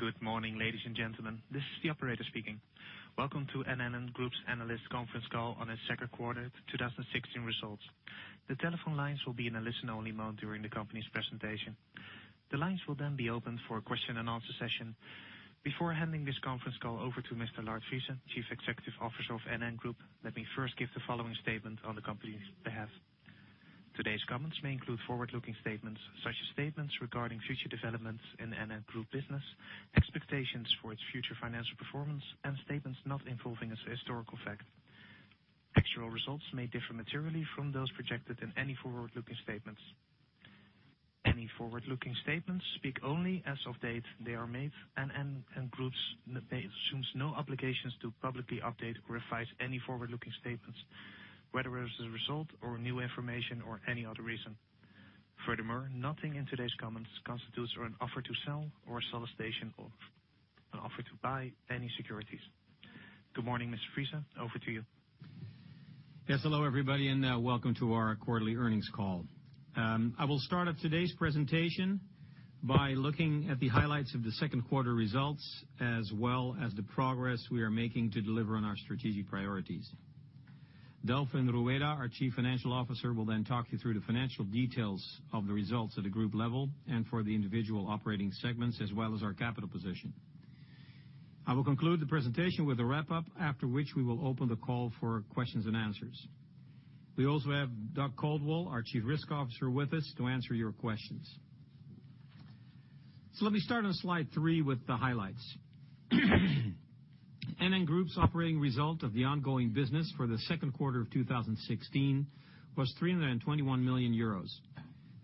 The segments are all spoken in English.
Good morning, ladies and gentlemen. This is the operator speaking. Welcome to NN Group's analyst conference call on its second quarter 2016 results. The telephone lines will be in a listen-only mode during the company's presentation. The lines will be opened for a question-and-answer session. Before handing this conference call over to Mr. Lard Friese, Chief Executive Officer of NN Group, let me first give the following statement on the company's behalf. Today's comments may include forward-looking statements, such as statements regarding future developments in NN Group business, expectations for its future financial performance, and statements not involving a historical fact. Actual results may differ materially from those projected in any forward-looking statements. Any forward-looking statements speak only as of the date they are made, and NN Group assumes no obligations to publicly update or revise any forward-looking statements, whether as a result of new information or any other reason. Furthermore, nothing in today's comments constitutes an offer to sell or a solicitation or an offer to buy any securities. Good morning, Mr. Friese. Over to you. Hello, everybody, and welcome to our quarterly earnings call. I will start off today's presentation by looking at the highlights of the second quarter results, as well as the progress we are making to deliver on our strategic priorities. Delfin Rueda, our Chief Financial Officer, will talk you through the financial details of the results at a group level and for the individual operating segments, as well as our capital position. I will conclude the presentation with a wrap-up, after which we will open the call for questions and answers. We also have Doug Caldwell, our Chief Risk Officer, with us to answer your questions. Let me start on slide three with the highlights. NN Group's operating result of the ongoing business for the second quarter of 2016 was 321 million euros.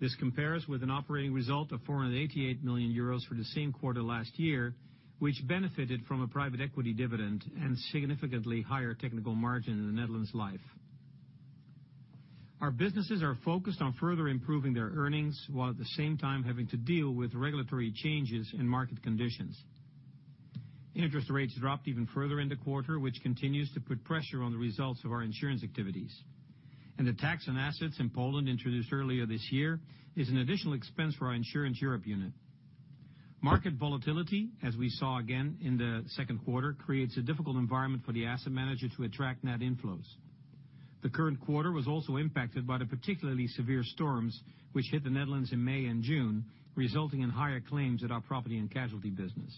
This compares with an operating result of 488 million euros for the same quarter last year, which benefited from a private equity dividend and significantly higher technical margin in the Netherlands Life. Our businesses are focused on further improving their earnings, while at the same time having to deal with regulatory changes in market conditions. Interest rates dropped even further in the quarter, which continues to put pressure on the results of our insurance activities. The tax on assets in Poland introduced earlier this year is an additional expense for our Insurance Europe unit. Market volatility, as we saw again in the second quarter, creates a difficult environment for the asset manager to attract net inflows. The current quarter was also impacted by the particularly severe storms, which hit the Netherlands in May and June, resulting in higher claims at our property and casualty business.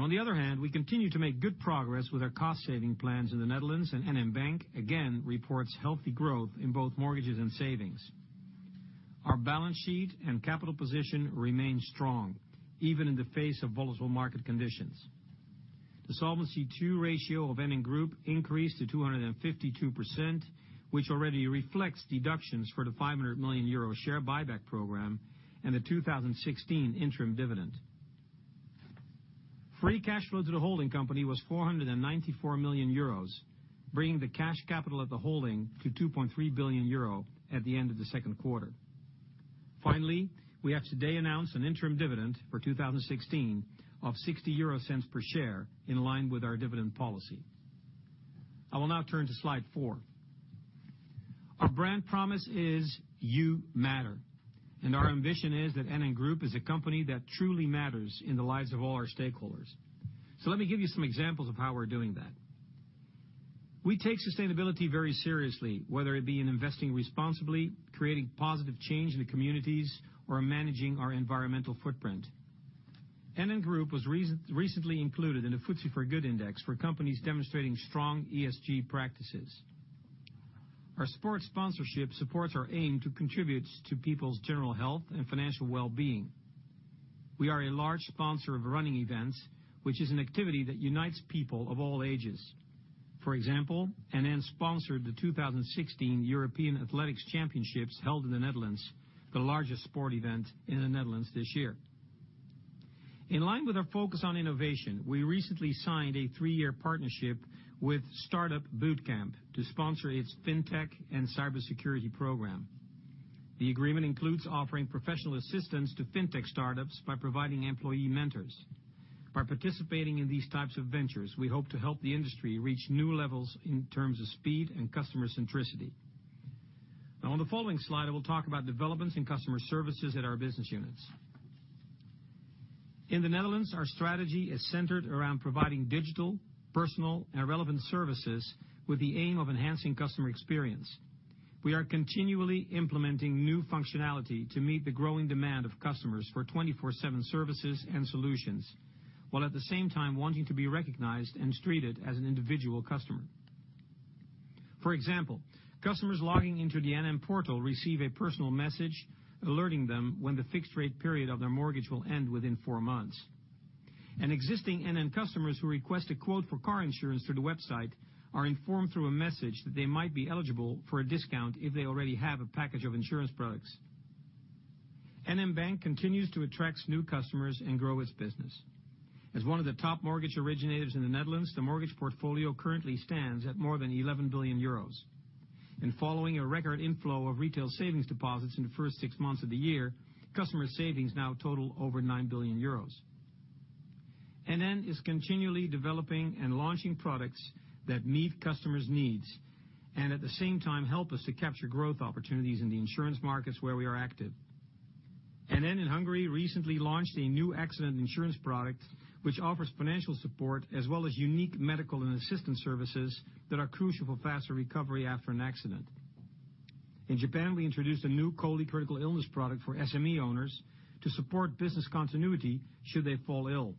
On the other hand, we continue to make good progress with our cost-saving plans in the Netherlands, and NN Bank again reports healthy growth in both mortgages and savings. Our balance sheet and capital position remain strong, even in the face of volatile market conditions. The Solvency II ratio of NN Group increased to 252%, which already reflects deductions for the 500 million euro share buyback program and the 2016 interim dividend. Free cash flow to the holding company was 494 million euros, bringing the cash capital of the holding to 2.3 billion euro at the end of the second quarter. We have today announced an interim dividend for 2016 of 0.60 per share, in line with our dividend policy. I will now turn to slide four. Our brand promise is You Matter, and our ambition is that NN Group is a company that truly matters in the lives of all our stakeholders. Let me give you some examples of how we're doing that. We take sustainability very seriously, whether it be in investing responsibly, creating positive change in the communities, or managing our environmental footprint. NN Group was recently included in the FTSE4Good Index for companies demonstrating strong ESG practices. Our sports sponsorship supports our aim to contribute to people's general health and financial well-being. We are a large sponsor of running events, which is an activity that unites people of all ages. For example, NN sponsored the 2016 European Athletics Championships held in the Netherlands, the largest sport event in the Netherlands this year. In line with our focus on innovation, we recently signed a three-year partnership with Startupbootcamp to sponsor its fintech and cybersecurity program. The agreement includes offering professional assistance to fintech startups by providing employee mentors. By participating in these types of ventures, we hope to help the industry reach new levels in terms of speed and customer centricity. On the following slide, I will talk about developments in customer services at our business units. In the Netherlands, our strategy is centered around providing digital, personal, and relevant services with the aim of enhancing customer experience. We are continually implementing new functionality to meet the growing demand of customers for 24/7 services and solutions, while at the same time wanting to be recognized and treated as an individual customer. For example, customers logging into the NN portal receive a personal message alerting them when the fixed rate period of their mortgage will end within four months. Existing NN customers who request a quote for car insurance through the website are informed through a message that they might be eligible for a discount if they already have a package of insurance products. NN Bank continues to attract new customers and grow its business. As one of the top mortgage originators in the Netherlands, the mortgage portfolio currently stands at more than 11 billion euros. Following a record inflow of retail savings deposits in the first six months of the year, customer savings now total over 9 billion euros. NN is continually developing and launching products that meet customers' needs, and at the same time help us to capture growth opportunities in the insurance markets where we are active. NN in Hungary recently launched a new accident insurance product, which offers financial support as well as unique medical and assistance services that are crucial for faster recovery after an accident. In Japan, we introduced a new COLI critical illness product for SME owners to support business continuity should they fall ill.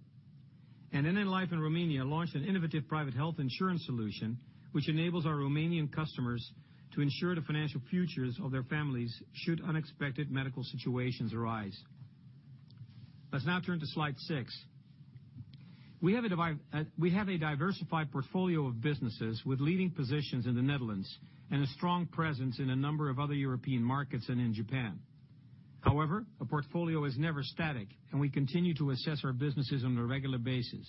NN Life in Romania launched an innovative private health insurance solution, which enables our Romanian customers to ensure the financial futures of their families should unexpected medical situations arise. Let's now turn to slide six. We have a diversified portfolio of businesses with leading positions in the Netherlands and a strong presence in a number of other European markets and in Japan. However, a portfolio is never static, and we continue to assess our businesses on a regular basis.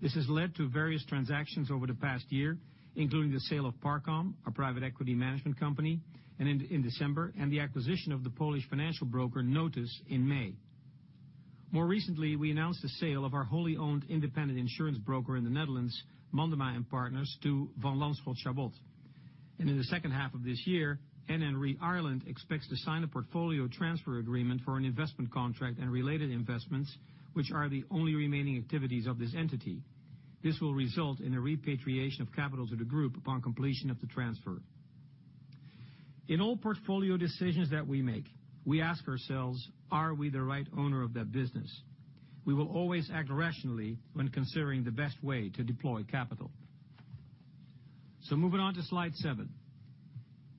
This has led to various transactions over the past year, including the sale of Parcom, our private equity management company in December, and the acquisition of the Polish financial broker Notus in May. More recently, we announced the sale of our wholly owned independent insurance broker in the Netherlands, Mandema & Partners, to Van Lanschot Chabot. In the second half of this year, NN Re Ireland expects to sign a portfolio transfer agreement for an investment contract and related investments, which are the only remaining activities of this entity. This will result in a repatriation of capital to the group upon completion of the transfer. In all portfolio decisions that we make, we ask ourselves: Are we the right owner of that business? We will always act rationally when considering the best way to deploy capital. Moving on to slide seven.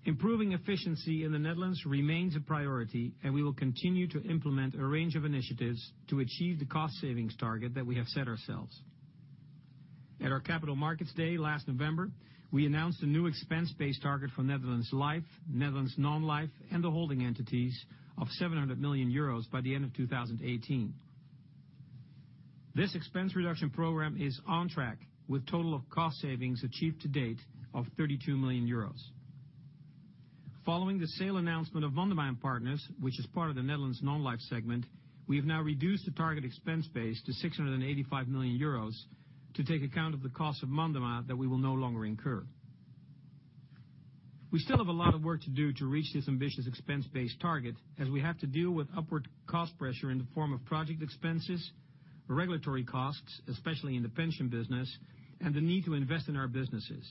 Improving efficiency in the Netherlands remains a priority, and we will continue to implement a range of initiatives to achieve the cost savings target that we have set ourselves. At our Capital Markets Day last November, we announced a new expense base target for Netherlands Life, Netherlands Non-life, and the holding entities of 700 million euros by the end of 2018. This expense reduction program is on track with total of cost savings achieved to date of 32 million euros. Following the sale announcement of Mandema & Partners, which is part of the Netherlands Non-life segment, we have now reduced the target expense base to 685 million euros to take account of the cost of Mandema that we will no longer incur. We still have a lot of work to do to reach this ambitious expense base target, as we have to deal with upward cost pressure in the form of project expenses, regulatory costs, especially in the pension business, and the need to invest in our businesses.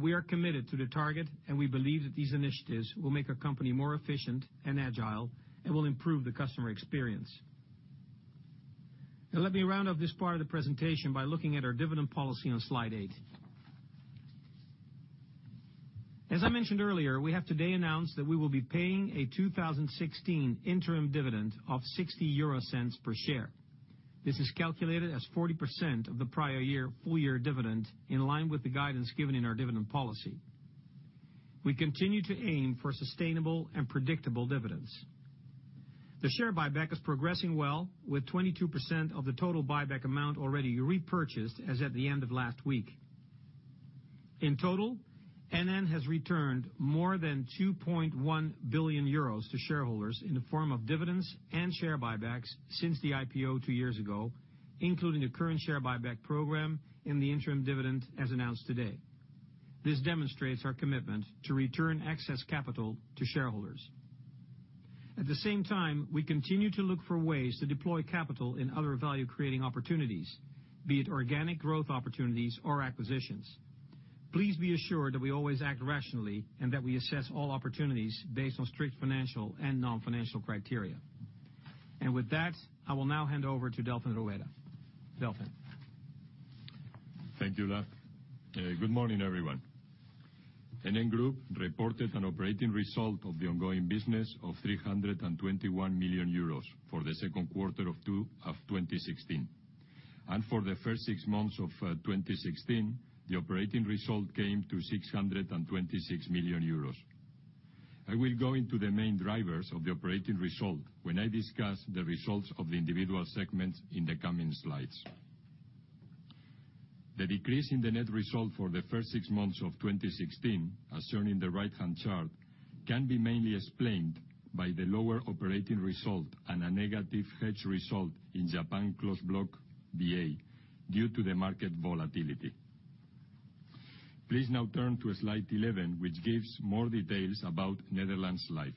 We are committed to the target, and we believe that these initiatives will make our company more efficient and agile and will improve the customer experience. Let me round off this part of the presentation by looking at our dividend policy on slide eight. As I mentioned earlier, we have today announced that we will be paying a 2016 interim dividend of 0.60 per share. This is calculated as 40% of the prior year full-year dividend, in line with the guidance given in our dividend policy. We continue to aim for sustainable and predictable dividends. The share buyback is progressing well, with 22% of the total buyback amount already repurchased as at the end of last week. In total, NN has returned more than 2.1 billion euros to shareholders in the form of dividends and share buybacks since the IPO two years ago, including a current share buyback program and the interim dividend as announced today. This demonstrates our commitment to return excess capital to shareholders. At the same time, we continue to look for ways to deploy capital in other value-creating opportunities, be it organic growth opportunities or acquisitions. Please be assured that we always act rationally and that we assess all opportunities based on strict financial and non-financial criteria. With that, I will now hand over to Delfin Rueda. Delfin. Thank you, Lard. Good morning, everyone. NN Group reported an operating result of the ongoing business of 321 million euros for the second quarter of 2016. For the first six months of 2016, the operating result came to 626 million euros. I will go into the main drivers of the operating result when I discuss the results of the individual segments in the coming slides. The decrease in the net result for the first six months of 2016, as shown in the right-hand chart, can be mainly explained by the lower operating result and a negative hedge result in Japan Closed Block VA due to the market volatility. Please now turn to slide 11, which gives more details about Netherlands Life.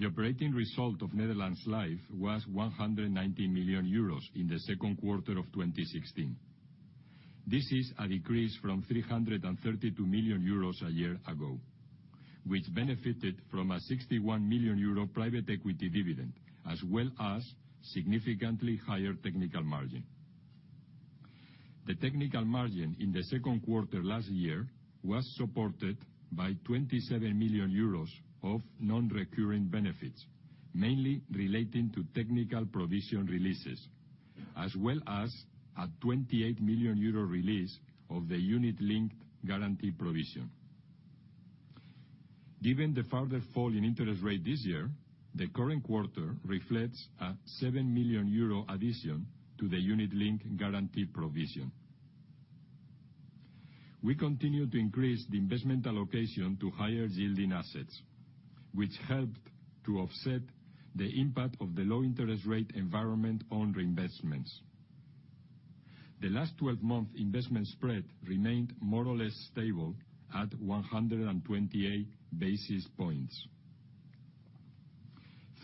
The operating result of Netherlands Life was 119 million euros in the second quarter of 2016. This is a decrease from 332 million euros a year ago, which benefited from a 61 million euro private equity dividend, as well as significantly higher technical margin. The technical margin in the second quarter last year was supported by 27 million euros of non-recurring benefits, mainly relating to technical provision releases, as well as a 28 million euro release of the unit-linked guarantee provision. Given the further fall in interest rate this year, the current quarter reflects a 7 million euro addition to the unit-linked guarantee provision. We continue to increase the investment allocation to higher-yielding assets, which helped to offset the impact of the low interest rate environment on reinvestments. The last 12-month investment spread remained more or less stable at 128 basis points.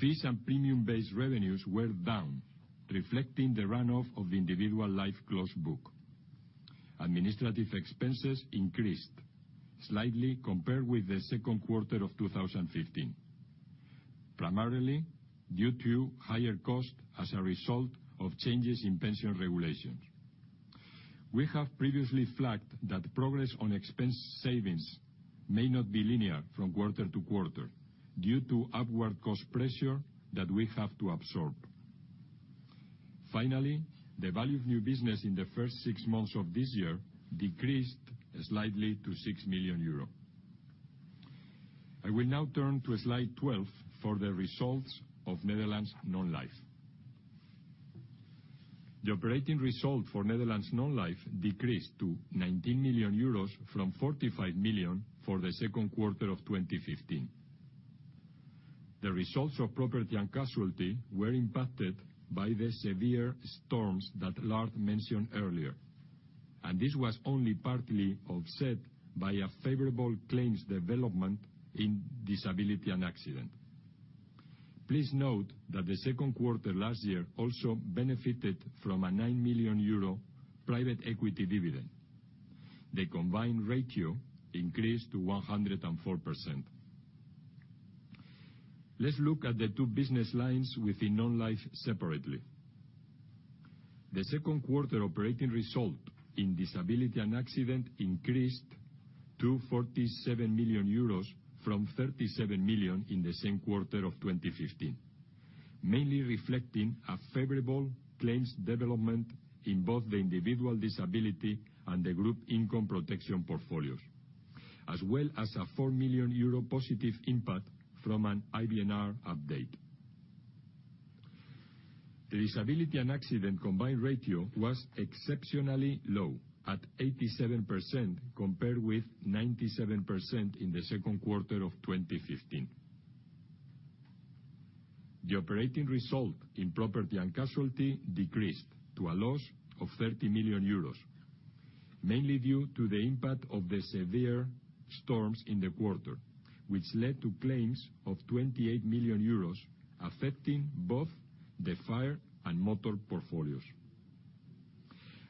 Fees and premium-based revenues were down, reflecting the run-off of the individual life closed book. Administrative expenses increased slightly compared with the second quarter of 2015, primarily due to higher costs as a result of changes in pension regulations. We have previously flagged that progress on expense savings may not be linear from quarter to quarter due to upward cost pressure that we have to absorb. Finally, the value of new business in the first six months of this year decreased slightly to 6 million euros. I will now turn to Slide 12 for the results of Netherlands Non-life. The operating result for Netherlands Non-life decreased to 19 million euros from 45 million for the second quarter of 2015. The results of property and casualty were impacted by the severe storms that Lars mentioned earlier. This was only partly offset by a favorable claims development in disability and accident. Please note that the second quarter last year also benefited from a 9 million euro private equity dividend. The combined ratio increased to 104%. Let's look at the two business lines within Non-Life separately. The second quarter operating result in disability and accident increased to €47 million from €37 million in the same quarter of 2015, mainly reflecting a favorable claims development in both the individual disability and the group income protection portfolios, as well as a €4 million positive impact from an IBNR update. The disability and accident combined ratio was exceptionally low at 87%, compared with 97% in the second quarter of 2015. The operating result in property and casualty decreased to a loss of €30 million, mainly due to the impact of the severe storms in the quarter, which led to claims of €28 million, affecting both the fire and motor portfolios.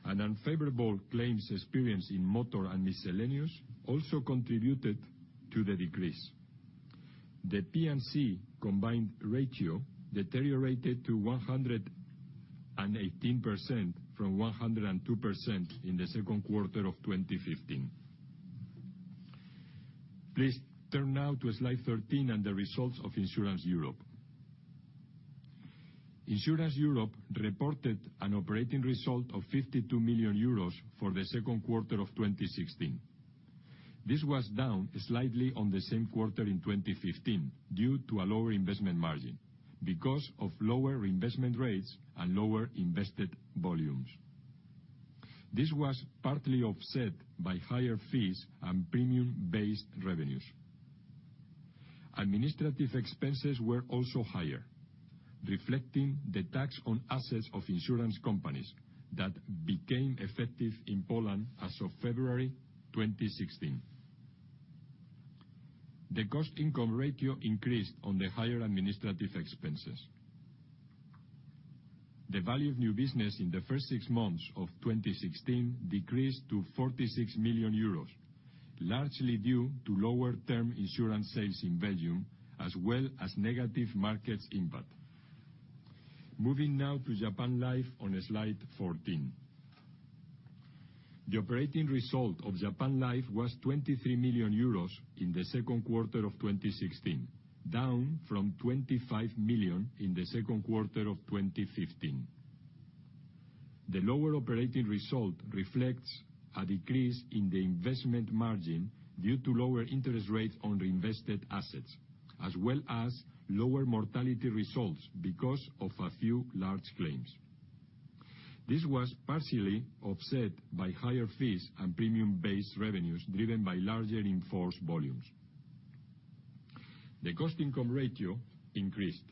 An unfavorable claims experience in motor and miscellaneous also contributed to the decrease. The P&C combined ratio deteriorated to 118% from 102% in the second quarter of 2015. Please turn now to Slide 13 on the results of Insurance Europe. Insurance Europe reported an operating result of €52 million for the second quarter of 2016. This was down slightly on the same quarter in 2015 due to a lower investment margin because of lower investment rates and lower invested volumes. This was partly offset by higher fees and premium-based revenues. Administrative expenses were also higher, reflecting the tax on assets of insurance companies that became effective in Poland as of February 2016. The cost income ratio increased on the higher administrative expenses. The value of new business in the first six months of 2016 decreased to €46 million, largely due to lower term insurance sales in Belgium, as well as negative markets impact. Moving now to Japan Life on Slide 14. The operating result of Japan Life was €23 million in the second quarter of 2016, down from €25 million in the second quarter of 2015. The lower operating result reflects a decrease in the investment margin due to lower interest rates on reinvested assets, as well as lower mortality results because of a few large claims. This was partially offset by higher fees and premium-based revenues driven by larger in-force volumes. The cost income ratio increased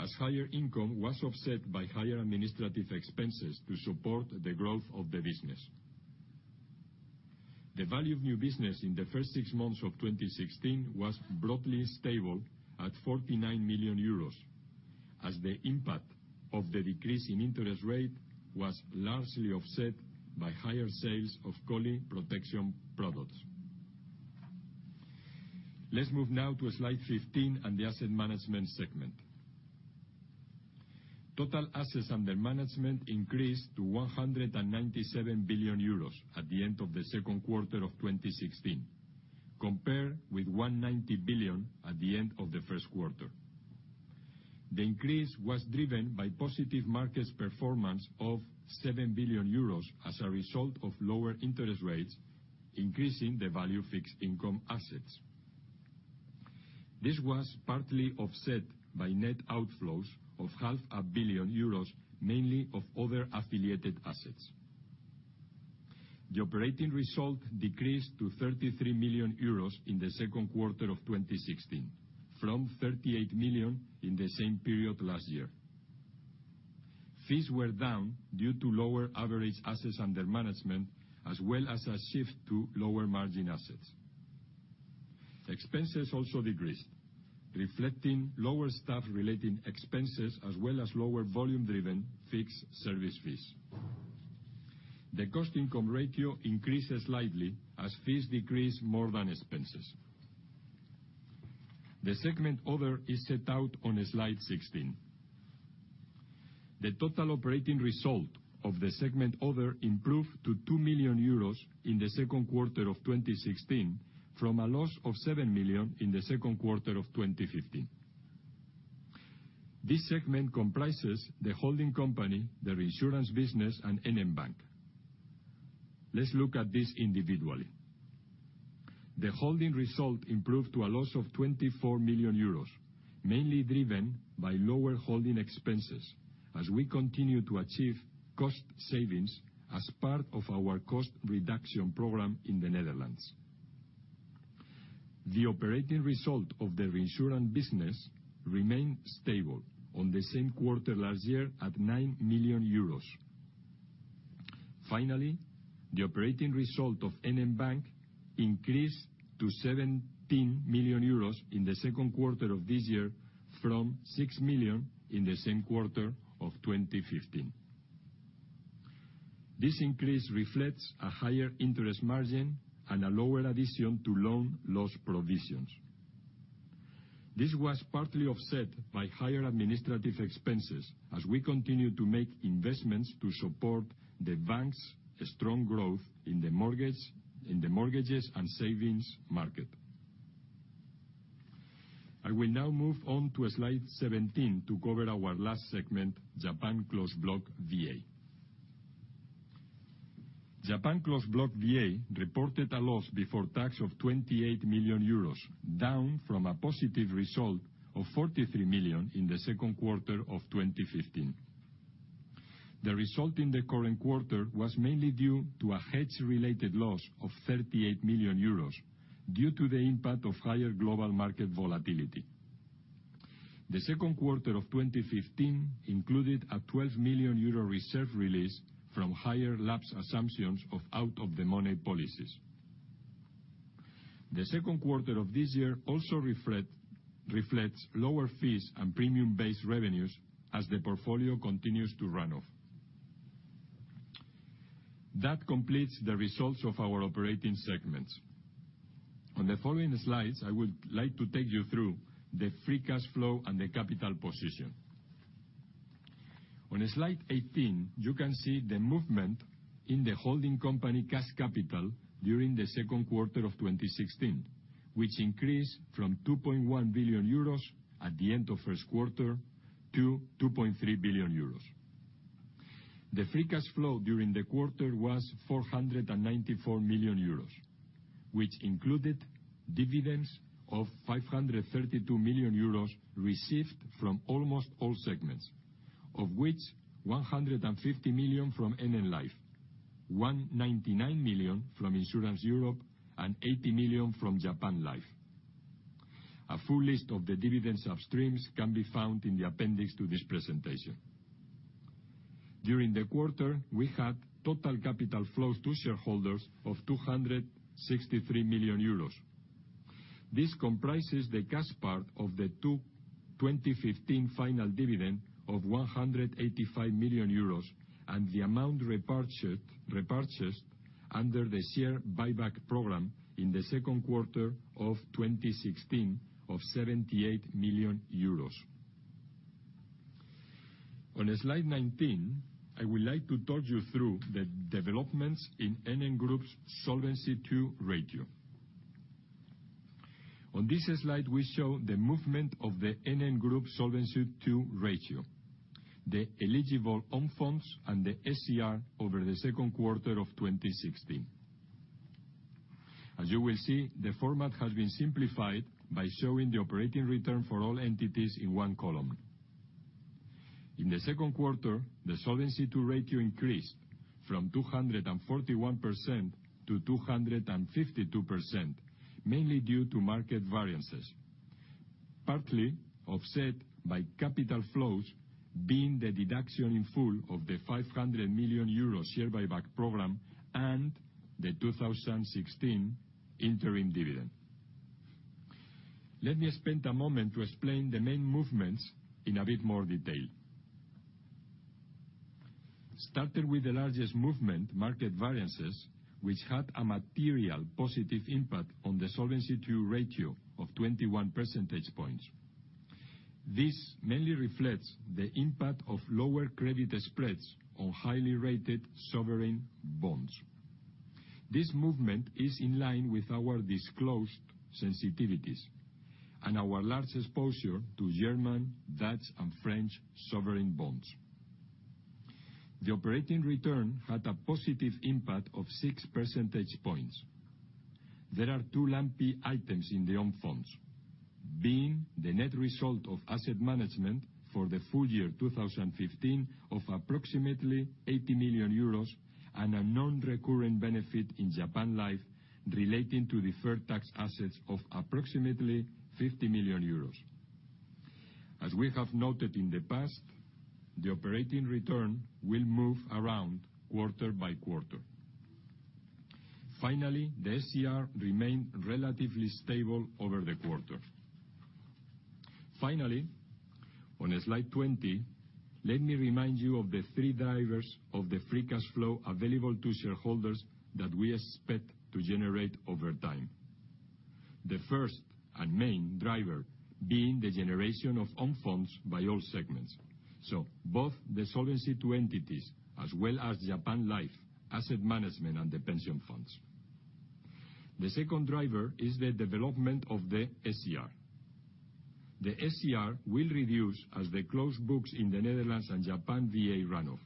as higher income was offset by higher administrative expenses to support the growth of the business. The value of new business in the first six months of 2016 was broadly stable at €49 million, as the impact of the decrease in interest rate was largely offset by higher sales of COLI protection products. Let's move now to Slide 15 on the asset management segment. Total assets under management increased to €197 billion at the end of the second quarter of 2016, compared with €190 billion at the end of the first quarter. The increase was driven by positive markets performance of €7 billion as a result of lower interest rates, increasing the value of fixed income assets. This was partly offset by net outflows of half a billion euros, mainly of other affiliated assets. The operating result decreased to €33 million in the second quarter of 2016 from €38 million in the same period last year. Fees were down due to lower average assets under management, as well as a shift to lower margin assets. Expenses also decreased, reflecting lower staff relating expenses as well as lower volume-driven fixed service fees. The cost-income ratio increases slightly as fees decrease more than expenses. The segment other is set out on Slide 16. The total operating result of the segment other improved to 2 million euros in the second quarter of 2016 from a loss of 7 million in the second quarter of 2015. This segment comprises the holding company, the reinsurance business, and NN Bank. Let's look at this individually. The holding result improved to a loss of 24 million euros, mainly driven by lower holding expenses as we continue to achieve cost savings as part of our cost reduction program in the Netherlands. The operating result of the reinsurance business remained stable on the same quarter last year at 9 million euros. Finally, the operating result of NN Bank increased to 17 million euros in the second quarter of this year from 6 million in the same quarter of 2015. This increase reflects a higher interest margin and a lower addition to loan loss provisions. This was partly offset by higher administrative expenses as we continue to make investments to support the bank's strong growth in the mortgages and savings market. I will now move on to slide 17 to cover our last segment, Japan Closed Block VA. Japan Closed Block VA reported a loss before tax of 28 million euros, down from a positive result of 43 million in the second quarter of 2015. The result in the current quarter was mainly due to a hedge-related loss of 38 million euros due to the impact of higher global market volatility. The second quarter of 2015 included a 12 million euro reserve release from higher lapse assumptions of out-of-the-money policies. The second quarter of this year also reflects lower fees and premium-based revenues as the portfolio continues to run off. That completes the results of our operating segments. On the following slides, I would like to take you through the free cash flow and the capital position. On slide 18, you can see the movement in the holding company cash capital during the second quarter of 2016, which increased from 2.1 billion euros at the end of first quarter to 2.3 billion euros. The free cash flow during the quarter was 494 million euros, which included dividends of 532 million euros received from almost all segments, of which 150 million from NN Life, 199 million from Insurance Europe, and 80 million from Japan Life. A full list of the dividend sub streams can be found in the appendix to this presentation. During the quarter, we had total capital flows to shareholders of 263 million euros. This comprises the cash part of the 2015 final dividend of 185 million euros and the amount repurchased under the share buyback program in the second quarter of 2016 of EUR 78 million. On slide 19, I would like to talk you through the developments in NN Group's Solvency II ratio. On this slide, we show the movement of the NN Group Solvency II ratio, the eligible own funds, and the SCR over the second quarter of 2016. As you will see, the format has been simplified by showing the operating return for all entities in one column. In the second quarter, the Solvency II ratio increased from 241% to 252%, mainly due to market variances, partly offset by capital flows being the deduction in full of the 500 million euro share buyback program and the 2016 interim dividend. Let me spend a moment to explain the main movements in a bit more detail. Starting with the largest movement, market variances, which had a material positive impact on the Solvency II ratio of 21 percentage points. This mainly reflects the impact of lower credit spreads on highly rated sovereign bonds. This movement is in line with our disclosed sensitivities and our large exposure to German, Dutch, and French sovereign bonds. The operating return had a positive impact of six percentage points. There are two lumpy items in the own funds, being the net result of asset management for the full year 2015 of approximately 80 million euros and a non-recurrent benefit in Japan Life relating to deferred tax assets of approximately 50 million euros. As we have noted in the past, the operating return will move around quarter by quarter. Finally, the SCR remained relatively stable over the quarter. Finally, on slide 20, let me remind you of the three drivers of the free cash flow available to shareholders that we expect to generate over time. The first and main driver being the generation of own funds by all segments. Both the Solvency II entities as well as Japan Life asset management and the pension funds. The second driver is the development of the SCR. The SCR will reduce as they close books in the Netherlands and Japan VA run-off,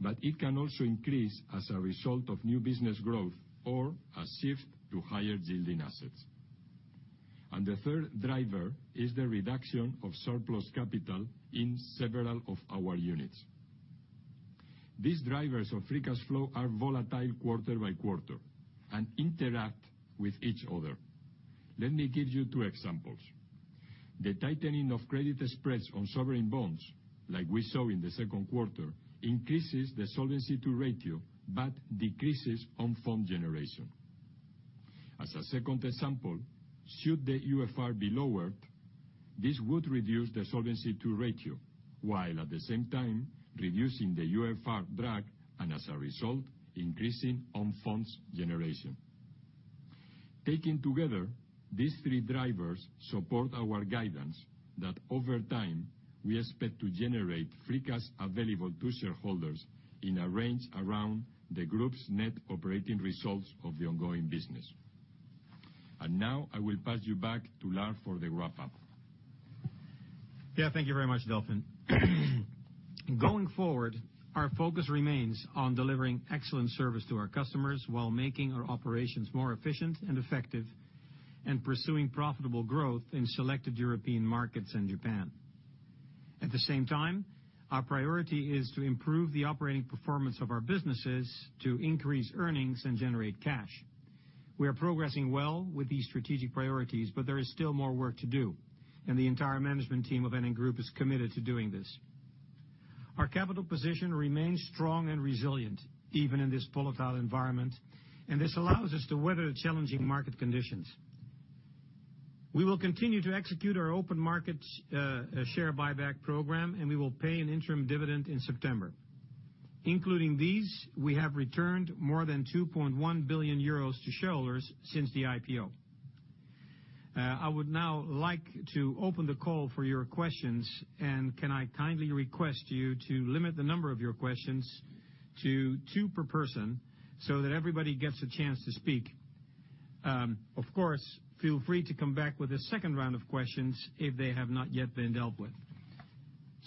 but it can also increase as a result of new business growth or a shift to higher yielding assets. The third driver is the reduction of surplus capital in several of our units. These drivers of free cash flow are volatile quarter by quarter and interact with each other. Let me give you two examples. The tightening of credit spreads on sovereign bonds, like we saw in the second quarter, increases the Solvency II ratio but decreases own fund generation. As a second example, should the UFR be lowered, this would reduce the Solvency II ratio, while at the same time reducing the UFR drag, and as a result, increasing own funds generation. Taken together, these three drivers support our guidance that over time, we expect to generate free cash available to shareholders in a range around the group's net operating results of the ongoing business. Now I will pass you back to Lars for the wrap-up. Thank you very much, Delfin. Going forward, our focus remains on delivering excellent service to our customers while making our operations more efficient and effective and pursuing profitable growth in selected European markets and Japan. At the same time, our priority is to improve the operating performance of our businesses to increase earnings and generate cash. We are progressing well with these strategic priorities, but there is still more work to do, and the entire management team of NN Group is committed to doing this. Our capital position remains strong and resilient even in this volatile environment, and this allows us to weather challenging market conditions. We will continue to execute our open market share buyback program, and we will pay an interim dividend in September. Including these, we have returned more than 2.1 billion euros to shareholders since the IPO. I would now like to open the call for your questions. Can I kindly request you to limit the number of your questions to two per person so that everybody gets a chance to speak? Of course, feel free to come back with a second round of questions if they have not yet been dealt with.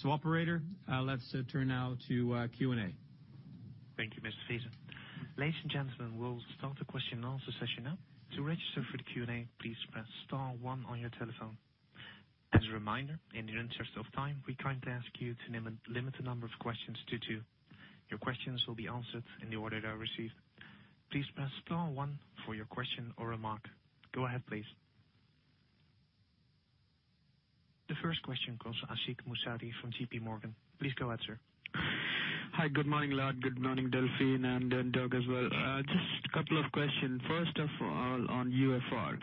Operator, let's turn now to Q&A. Thank you, Mr. Friese. Ladies and gentlemen, we'll start the question and answer session now. To register for the Q&A, please press star one on your telephone. As a reminder, in the interest of time, we kindly ask you to limit the number of questions to two. Your questions will be answered in the order they are received. Please press star one for your question or remark. Go ahead, please. The first question comes Ashik Musaddi from J.P. Morgan. Please go ahead, sir. Hi. Good morning, Lars. Good morning, Delfin, and Doug as well. Just a couple of questions. First of all, on UFR.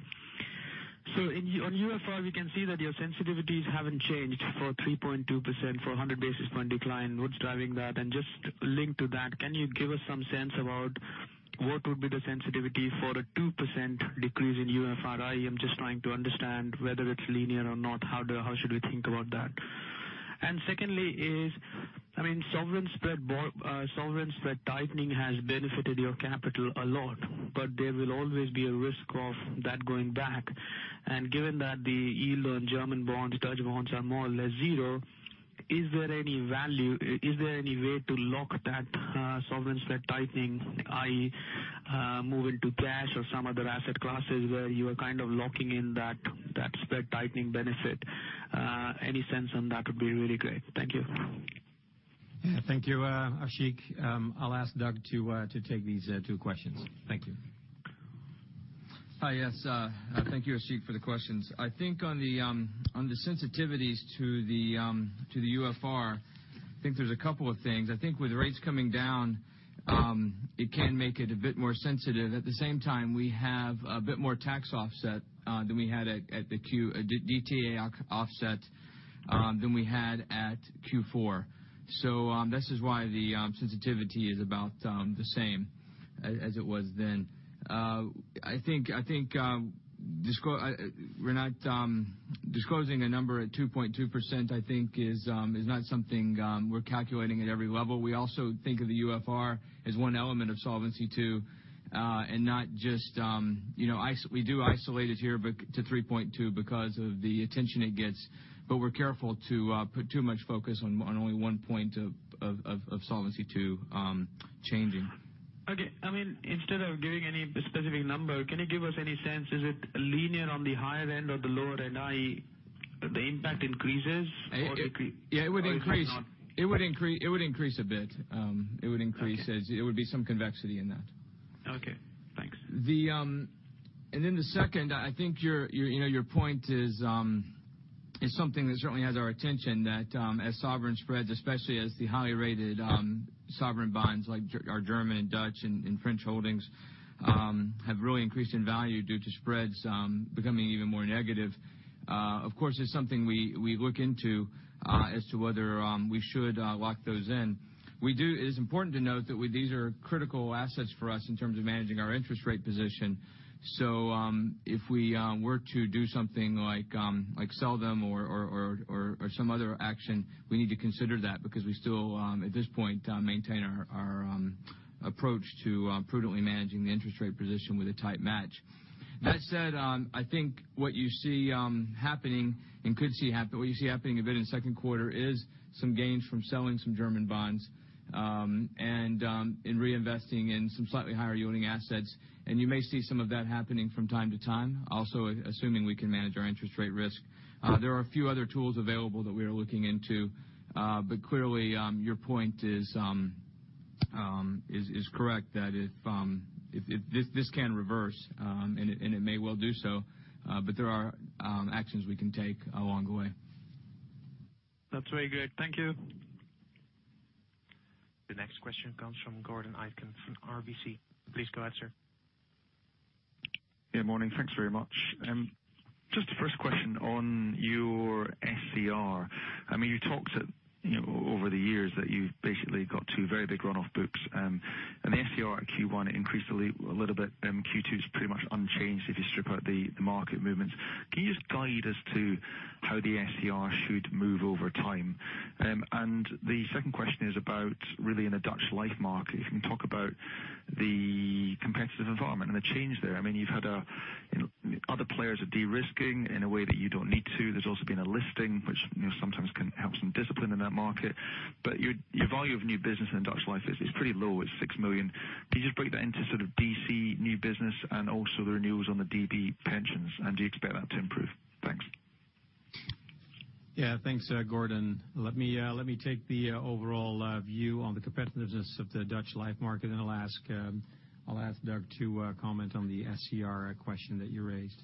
On UFR, we can see that your sensitivities haven't changed for 3.2% for 100 basis point decline. What's driving that? Just linked to that, can you give us some sense about what would be the sensitivity for a 2% decrease in UFR? I am just trying to understand whether it's linear or not. How should we think about that? Secondly is, sovereign spread tightening has benefited your capital a lot, but there will always be a risk of that going back. Given that the yield on German bonds, Dutch bonds are more or less zero, is there any way to lock that sovereign spread tightening, i.e., move into cash or some other asset classes where you are kind of locking in that spread tightening benefit? Any sense on that would be really great. Thank you. Yeah. Thank you, Ashik. I'll ask Doug to take these two questions. Thank you. Hi. Yes. Thank you, Ashik, for the questions. On the sensitivities to the UFR, there's a couple of things. With rates coming down, it can make it a bit more sensitive. At the same time, we have a bit more tax offset than we had at the DTA offset than we had at Q4. This is why the sensitivity is about the same as it was then. We're not disclosing a number at 2.2%, is not something we're calculating at every level. We also think of the UFR as one element of Solvency II. We do isolate it here to 3.2 because of the attention it gets. We're careful to put too much focus on only one point of Solvency II changing. Okay. Instead of giving any specific number, can you give us any sense? Is it linear on the higher end or the lower end, i.e., the impact increases or it might not? Yeah, it would increase a bit. Okay. There would be some convexity in that. Okay, thanks. The second, I think your point is something that certainly has our attention, that as sovereign spreads, especially as the highly rated sovereign bonds, like our German and Dutch and French holdings, have really increased in value due to spreads becoming even more negative. Of course, it's something we look into as to whether we should lock those in. It is important to note that these are critical assets for us in terms of managing our interest rate position. So if we were to do something like sell them or some other action, we need to consider that because we still, at this point, maintain our approach to prudently managing the interest rate position with a tight match. That said, I think what you see happening a bit in the second quarter is some gains from selling some German bonds, and in reinvesting in some slightly higher-yielding assets. You may see some of that happening from time to time. Also, assuming we can manage our interest rate risk. There are a few other tools available that we are looking into. Clearly, your point is correct, that this can reverse, and it may well do so. There are actions we can take along the way. That's very good. Thank you. The next question comes from Gordon Aitken from RBC. Please go ahead, sir. Morning. Thanks very much. Just the first question on your SCR. You talked over the years that you've basically got two very big runoff books. The SCR at Q1 increased a little bit. Q2 is pretty much unchanged if you strip out the market movements. Can you just guide us to how the SCR should move over time? The second question is about really in the Dutch life market. If you can talk about the competitive environment and the change there. Other players are de-risking in a way that you don't need to. There's also been a listing, which sometimes can have some discipline in that market. Your value of new business in Dutch life is pretty low. It's 6 million. Can you just break that into sort of DC new business and also the renewals on the DB pensions, and do you expect that to improve? Thanks. Yes. Thanks, Gordon. Let me take the overall view on the competitiveness of the Dutch life market, and I will ask Doug to comment on the SCR question that you raised.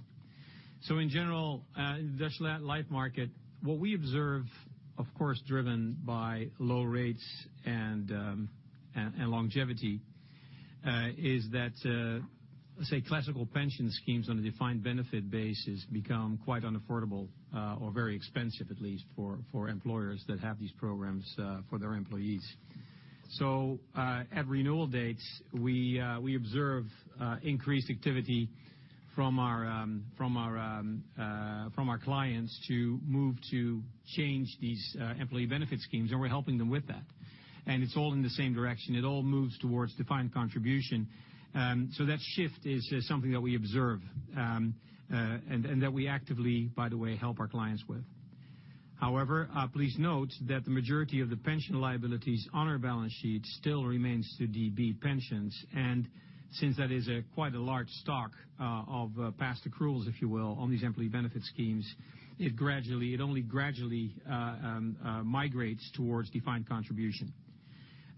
In general, in the Dutch life market, what we observe, of course, driven by low rates and longevity, is that, say, classical pension schemes on a defined benefit basis become quite unaffordable or very expensive at least for employers that have these programs for their employees. At renewal dates, we observe increased activity from our clients to move to change these employee benefit schemes, and we are helping them with that. It is all in the same direction. It all moves towards defined contribution. That shift is just something that we observe and that we actively, by the way, help our clients with. However, please note that the majority of the pension liabilities on our balance sheet still remains to DB pensions. Since that is quite a large stock of past accruals, if you will, on these employee benefit schemes, it only gradually migrates towards defined contribution.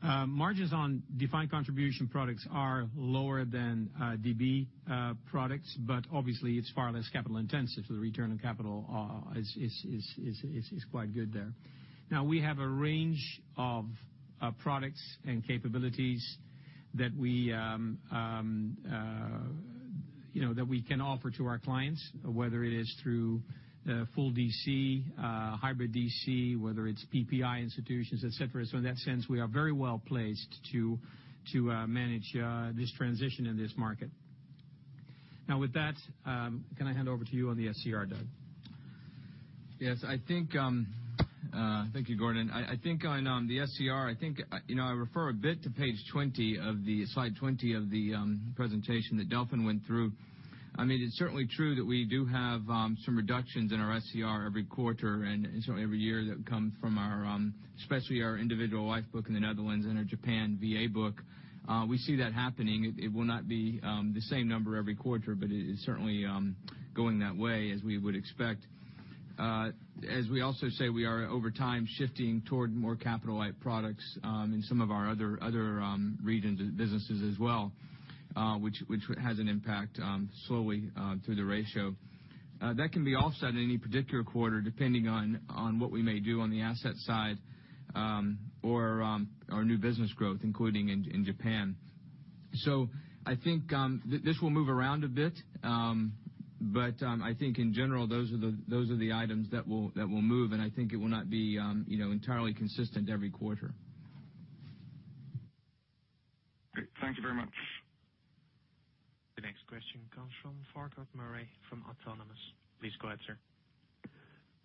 Margins on defined contribution products are lower than DB products, but obviously it is far less capital intensive. The return on capital is quite good there. We have a range of products and capabilities that we can offer to our clients, whether it is through full DC, hybrid DC, whether it is PPI institutions, et cetera. In that sense, we are very well placed to manage this transition in this market. With that, can I hand over to you on the SCR, Doug? Yes. Thank you, Gordon. I think on the SCR, I refer a bit to slide 20 of the presentation that Delfin went through. It is certainly true that we do have some reductions in our SCR every quarter and every year that comes from especially our individual life book in the Netherlands and our Japan VA book. We see that happening. It will not be the same number every quarter, but it is certainly going that way as we would expect. As we also say, we are over time shifting toward more capital light products in some of our other region businesses as well, which has an impact slowly to the ratio. That can be offset in any particular quarter depending on what we may do on the asset side or our new business growth, including in Japan. I think this will move around a bit. I think in general, those are the items that will move, and I think it will not be entirely consistent every quarter. Great. Thank you very much. The next question comes from Farquhar Murray from Autonomous. Please go ahead, sir.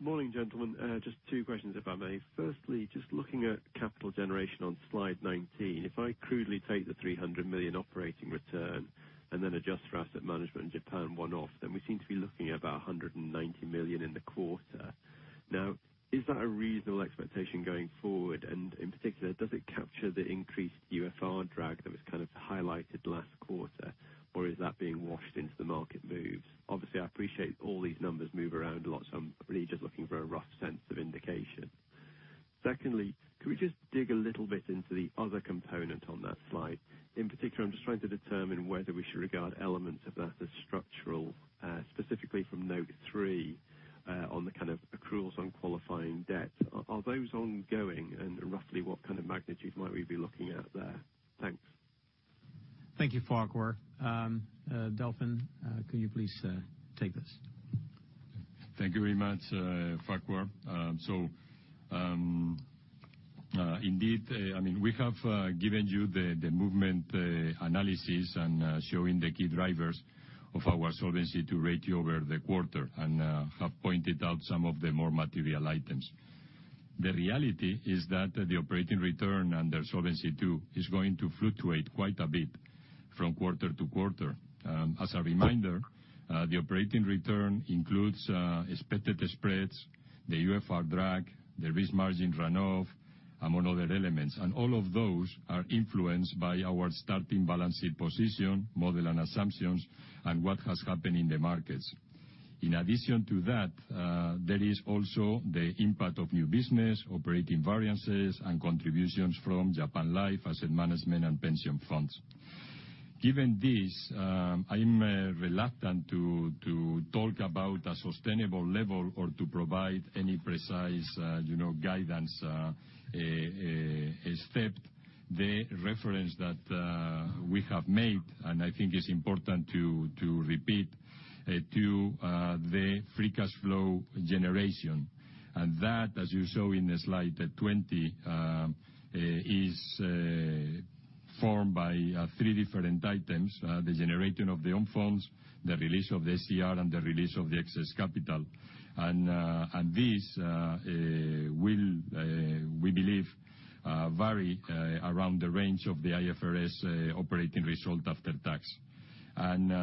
Morning, gentlemen. Just two questions, if I may. Firstly, just looking at capital generation on slide 19. If I crudely take the 300 million operating return and then adjust for asset management and Japan one-off, then we seem to be looking at about 190 million in the quarter. Is that a reasonable expectation going forward? In particular, does it capture the increased UFR drag that was highlighted last quarter, or is that being washed into the market moves? Obviously, I appreciate all these numbers move around a lot, so I'm really just looking for a rough sense of indication. Secondly, can we just dig a little bit into the other component on that slide? In particular, I'm just trying to determine whether we should regard elements of that as structural, specifically from note three, on the kind of accruals on qualifying debt. Are those ongoing? Roughly what kind of magnitude might we be looking at there? Thanks. Thank you, Farquhar. Delfin, could you please take this? Thank you very much, Farquhar. Indeed, we have given you the movement analysis and showing the key drivers of our Solvency II rate over the quarter and have pointed out some of the more material items. The reality is that the operating return and the Solvency II, is going to fluctuate quite a bit from quarter to quarter. As a reminder, the operating return includes expected spreads, the UFR drag, the risk margin run-off, among other elements. All of those are influenced by our starting balance sheet position, model and assumptions, and what has happened in the markets. In addition to that, there is also the impact of new business, operating variances, and contributions from Japan Life, asset management, and pension funds. Given this, I'm reluctant to talk about a sustainable level or to provide any precise guidance, except the reference that we have made, and I think it's important to repeat, to the free cash flow generation. That, as you saw in slide 20, is formed by three different items. The generation of the own funds, the release of the SCR, and the release of the excess capital. These will, we believe, vary around the range of the IFRS operating result after tax.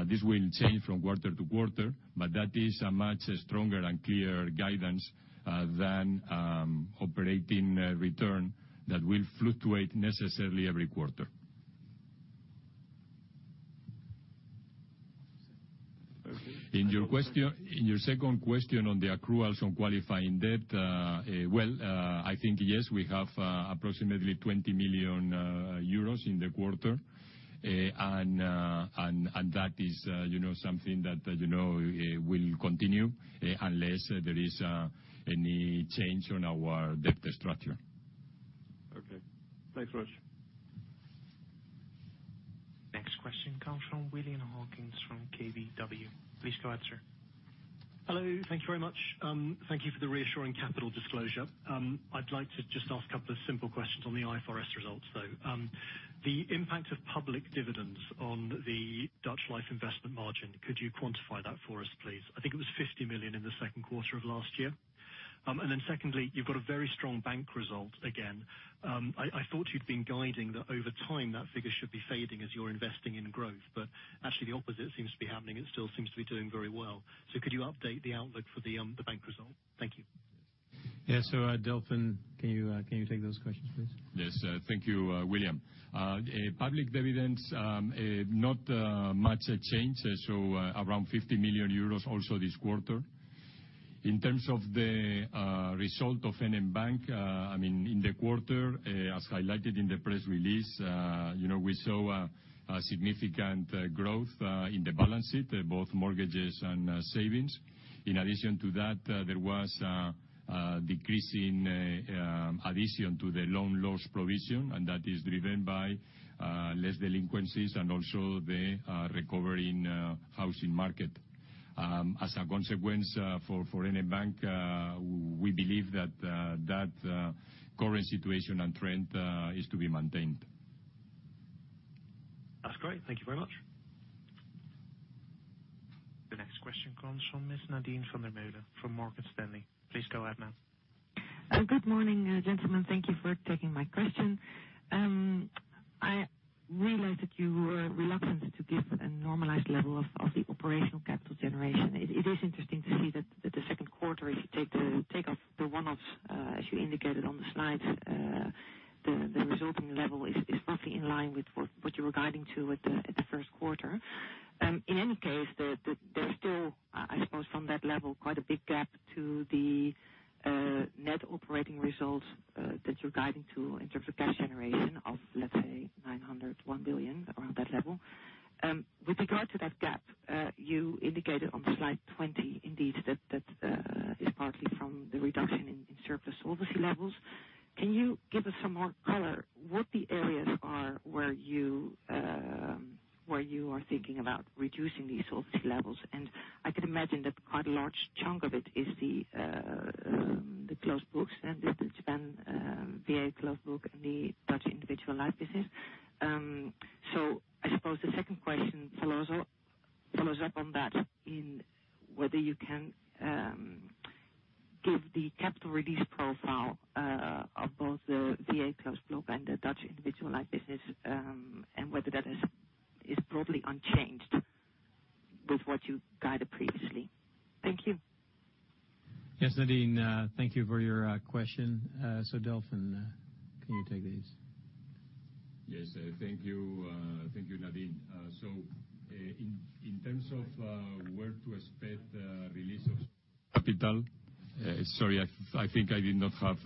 This will change from quarter to quarter, but that is a much stronger and clearer guidance than operating return that will fluctuate necessarily every quarter. Okay. In your second question on the accruals on qualifying debt, well, I think, yes, we have approximately 20 million euros in the quarter. That is something that will continue, unless there is any change on our debt structure. Okay. Thanks much. Next question comes from William Hawkins from KBW. Please go ahead, sir. Hello. Thank you very much. Thank you for the reassuring capital disclosure. I'd like to just ask a couple of simple questions on the IFRS results, though. The impact of public dividends on the Dutch Life investment margin, could you quantify that for us, please? I think it was 50 million in the second quarter of last year. Secondly, you've got a very strong Bank result again. I thought you'd been guiding that over time, that figure should be fading as you're investing in growth, actually the opposite seems to be happening. It still seems to be doing very well. Could you update the outlook for the Bank result? Thank you. Delfin, can you take those questions, please? Yes. Thank you, William. Public dividends, not much change. Around 50 million euros also this quarter. In terms of the result of NN Bank, in the quarter, as highlighted in the press release, we saw a significant growth in the balance sheet, both mortgages and savings. In addition to that, there was a decrease in addition to the loan loss provision, that is driven by less delinquencies and also the recovery in housing market. As a consequence for NN Bank, we believe that current situation and trend is to be maintained. That's great. Thank you very much. The next question comes from Ms. Nadine van der Meulen from Morgan Stanley. Please go ahead, ma'am. Good morning, gentlemen. Thank you for taking my question. I realize that you were reluctant to give a normalized level of the operational capital generation. It is interesting to see that the second quarter, if you take off the one-offs, as you indicated on the slides, the resulting level is roughly in line with what you were guiding to at the first quarter. In any case, there's still, I suppose, from that level, quite a big gap to the net operating results that you're guiding to in terms of cash generation of, let's say, 900, 1 billion, around that level. With regard to that gap, you indicated on slide 20 indeed that is partly from the reduction in surplus solvency levels. Can you give us some more color what the areas are where you are thinking about reducing these solvency levels? I could imagine that quite a large chunk of it is the closed books, and this is Japan VA closed book and the Dutch individual life business. I suppose the second question follows up on that in whether you can give the capital release profile of both the VA closed book and the Dutch individual life business, and whether that is broadly unchanged with what you guided previously. Thank you. Yes, Nadine, thank you for your question. Delfin, can you take these? Yes, thank you, Nadine. In terms of where to expect the release of capital. Sorry, I think I did not have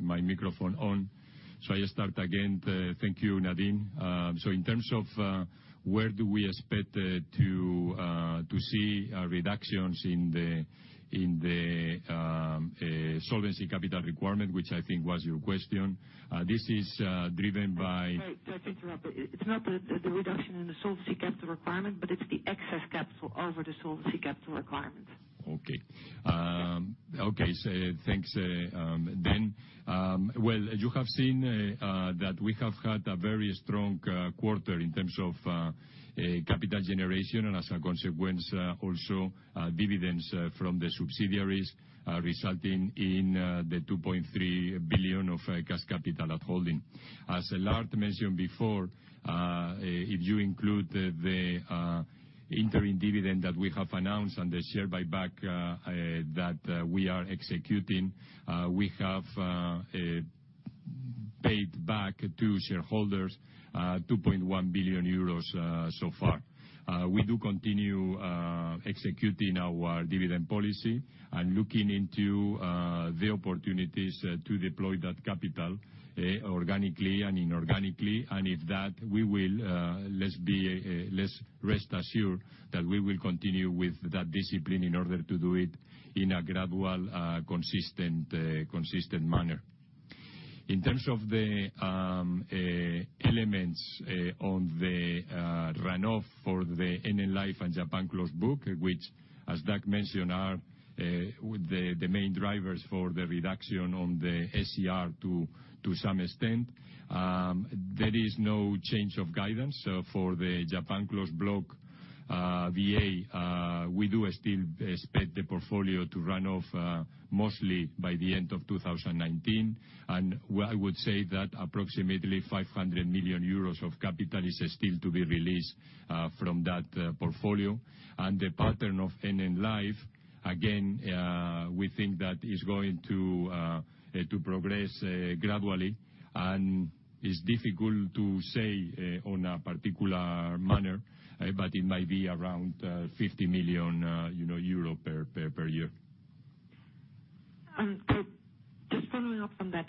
my microphone on, so I start again. Thank you, Nadine. In terms of where do we expect to see reductions in the solvency capital requirement, which I think was your question. This is driven by- Sorry to interrupt. It's not the reduction in the solvency capital requirement, but it's the excess capital over the solvency capital requirement. Okay. Yes. Okay. Thanks. Well, you have seen that we have had a very strong quarter in terms of capital generation and as a consequence, also, dividends from the subsidiaries, resulting in 2.3 billion of cash capital at holding. As Lars mentioned before, if you include the interim dividend that we have announced and the share buyback that we are executing, we have paid back to shareholders 2.1 billion euros so far. We do continue executing our dividend policy and looking into the opportunities to deploy that capital organically and inorganically. If that, rest assured that we will continue with that discipline in order to do it in a gradual, consistent manner. In terms of the elements on the run-off for the NN Life and Japan closed book, which, as Doug mentioned, are the main drivers for the reduction on the SCR to some extent. There is no change of guidance for the Japan Closed Block VA. We do still expect the portfolio to run off mostly by the end of 2019. I would say that approximately 500 million euros of capital is still to be released from that portfolio. The pattern of NN Life, again, we think that is going to progress gradually, and it's difficult to say on a particular manner, but it might be around 50 million euro per year. Just following up from that.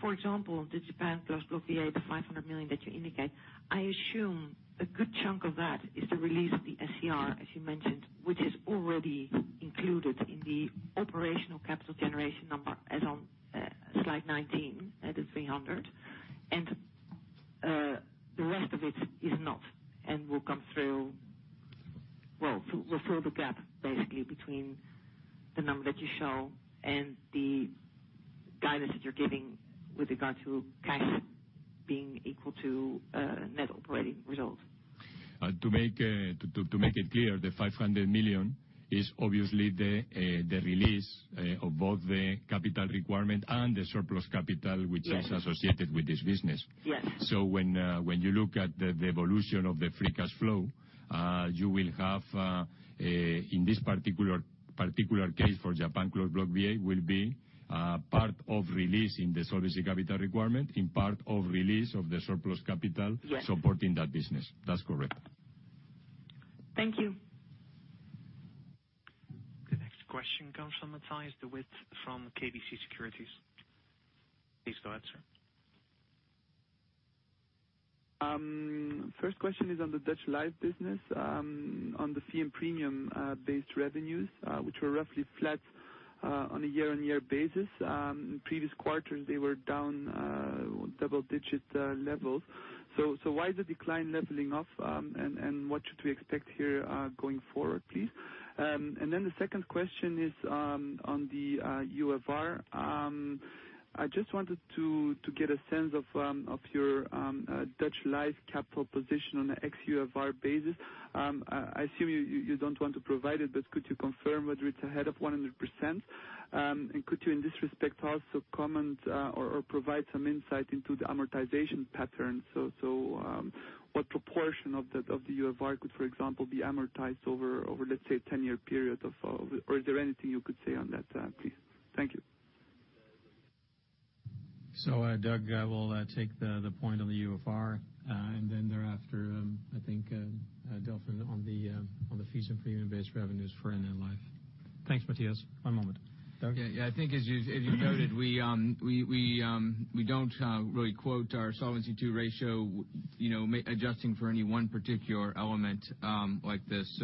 For example, the Japan Closed Block VA, the 500 million that you indicate, I assume a good chunk of that is the release of the SCR, as you mentioned, which is already included in the operational capital generation number as on slide 19 at the 300. The rest of it is not and will fill the gap basically between the number that you show and the guidance that you're giving with regard to cash being equal to net operating results. To make it clear, the 500 million is obviously the release of both the capital requirement and the surplus capital, which is associated with this business. Yes. When you look at the evolution of the free cash flow, you will have, in this particular case, for Japan Closed Block VA, will be part of release in the solvency capital requirement and part of release of the surplus capital. Yes supporting that business. That's correct. Thank you. The next question comes from Matthias De Wit from KBC Securities. Please go ahead, sir. First question is on the Dutch Life business, on the fee and premium-based revenues, which were roughly flat on a year-on-year basis. In previous quarters, they were down double-digit levels. Why is the decline leveling off, and what should we expect here going forward, please? The second question is on the UFR. I just wanted to get a sense of your Dutch Life capital position on an ex UFR basis. I assume you don't want to provide it, but could you confirm whether it's ahead of 100%? Could you, in this respect, also comment or provide some insight into the amortization pattern? What proportion of the UFR could, for example, be amortized over, let's say, a 10-year period? Is there anything you could say on that, please? Thank you. Doug will take the point on the UFR, and then thereafter, I think Delfin on the fees and premium-based revenues for NN Life. Thanks, Matthias. One moment. Doug? Yeah, I think as you noted, we don't really quote our Solvency II ratio adjusting for any one particular element like this.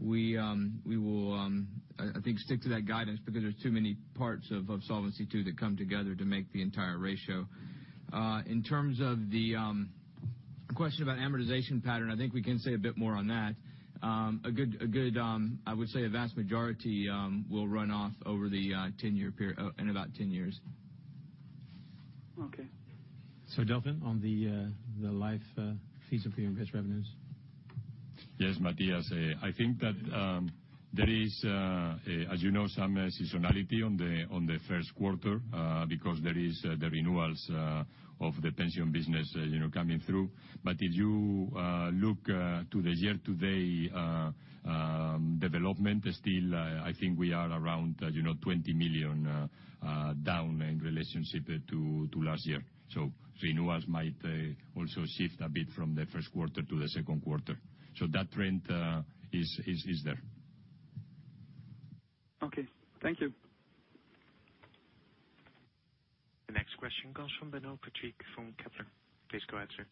We will, I think, stick to that guidance because there's too many parts of Solvency II that come together to make the entire ratio. In terms of the question about amortization pattern, I think we can say a bit more on that. I would say a vast majority will run off in about 10 years. Okay. Delfin, on the Life fees and premium-based revenues. Yes, Matthias. I think that there is, as you know, some seasonality on the first quarter, because there is the renewals of the pension business coming through. If you look to the year-to-date development, still, I think we are around 20 million down in relationship to last year. Renewals might also shift a bit from the first quarter to the second quarter. That trend is there. Okay. Thank you. The next question comes from Benoît Pétrarque from Kepler. Please go ahead, sir.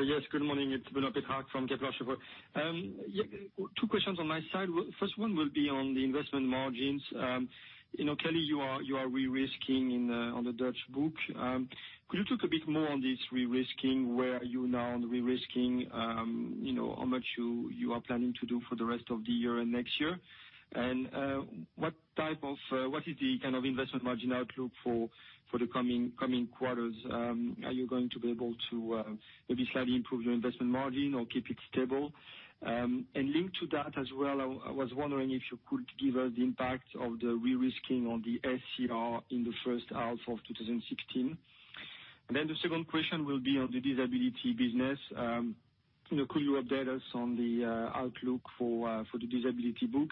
Yes. Good morning. It's Benoît Pétrarque from Kepler Cheuvreux. Two questions on my side. First one will be on the investment margins. Clearly, you are re-risking on the Dutch book. Could you talk a bit more on this re-risking? Where are you now on re-risking? How much you are planning to do for the rest of the year and next year? What is the kind of investment margin outlook for the coming quarters? Are you going to be able to maybe slightly improve your investment margin or keep it stable? Linked to that as well, I was wondering if you could give us the impact of the re-risking on the SCR in the first half of 2016. The second question will be on the disability business. Could you update us on the outlook for the disability book?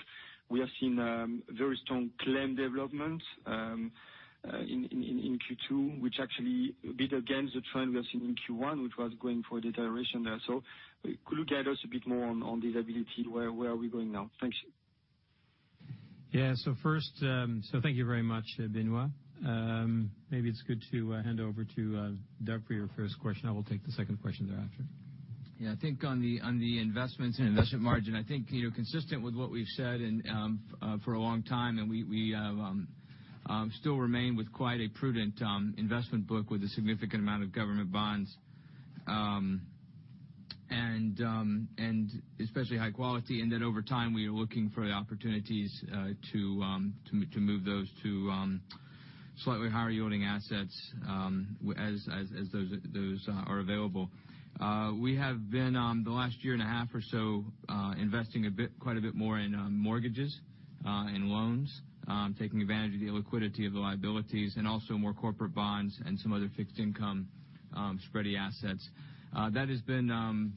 We have seen very strong claim development in Q2, which actually a bit against the trend we have seen in Q1, which was going for deterioration there. Could you guide us a bit more on disability? Where are we going now? Thanks. First, thank you very much, Benoît. Maybe it is good to hand over to Doug for your first question. I will take the second question thereafter. I think on the investments and investment margin, I think consistent with what we've said for a long time, we still remain with quite a prudent investment book with a significant amount of government bonds, especially high quality. Over time, we are looking for the opportunities to move those to slightly higher yielding assets as those are available. We have been, the last year and a half or so, investing quite a bit more in mortgages and loans. Taking advantage of the liquidity of the liabilities and also more corporate bonds and some other fixed income spready assets. That has been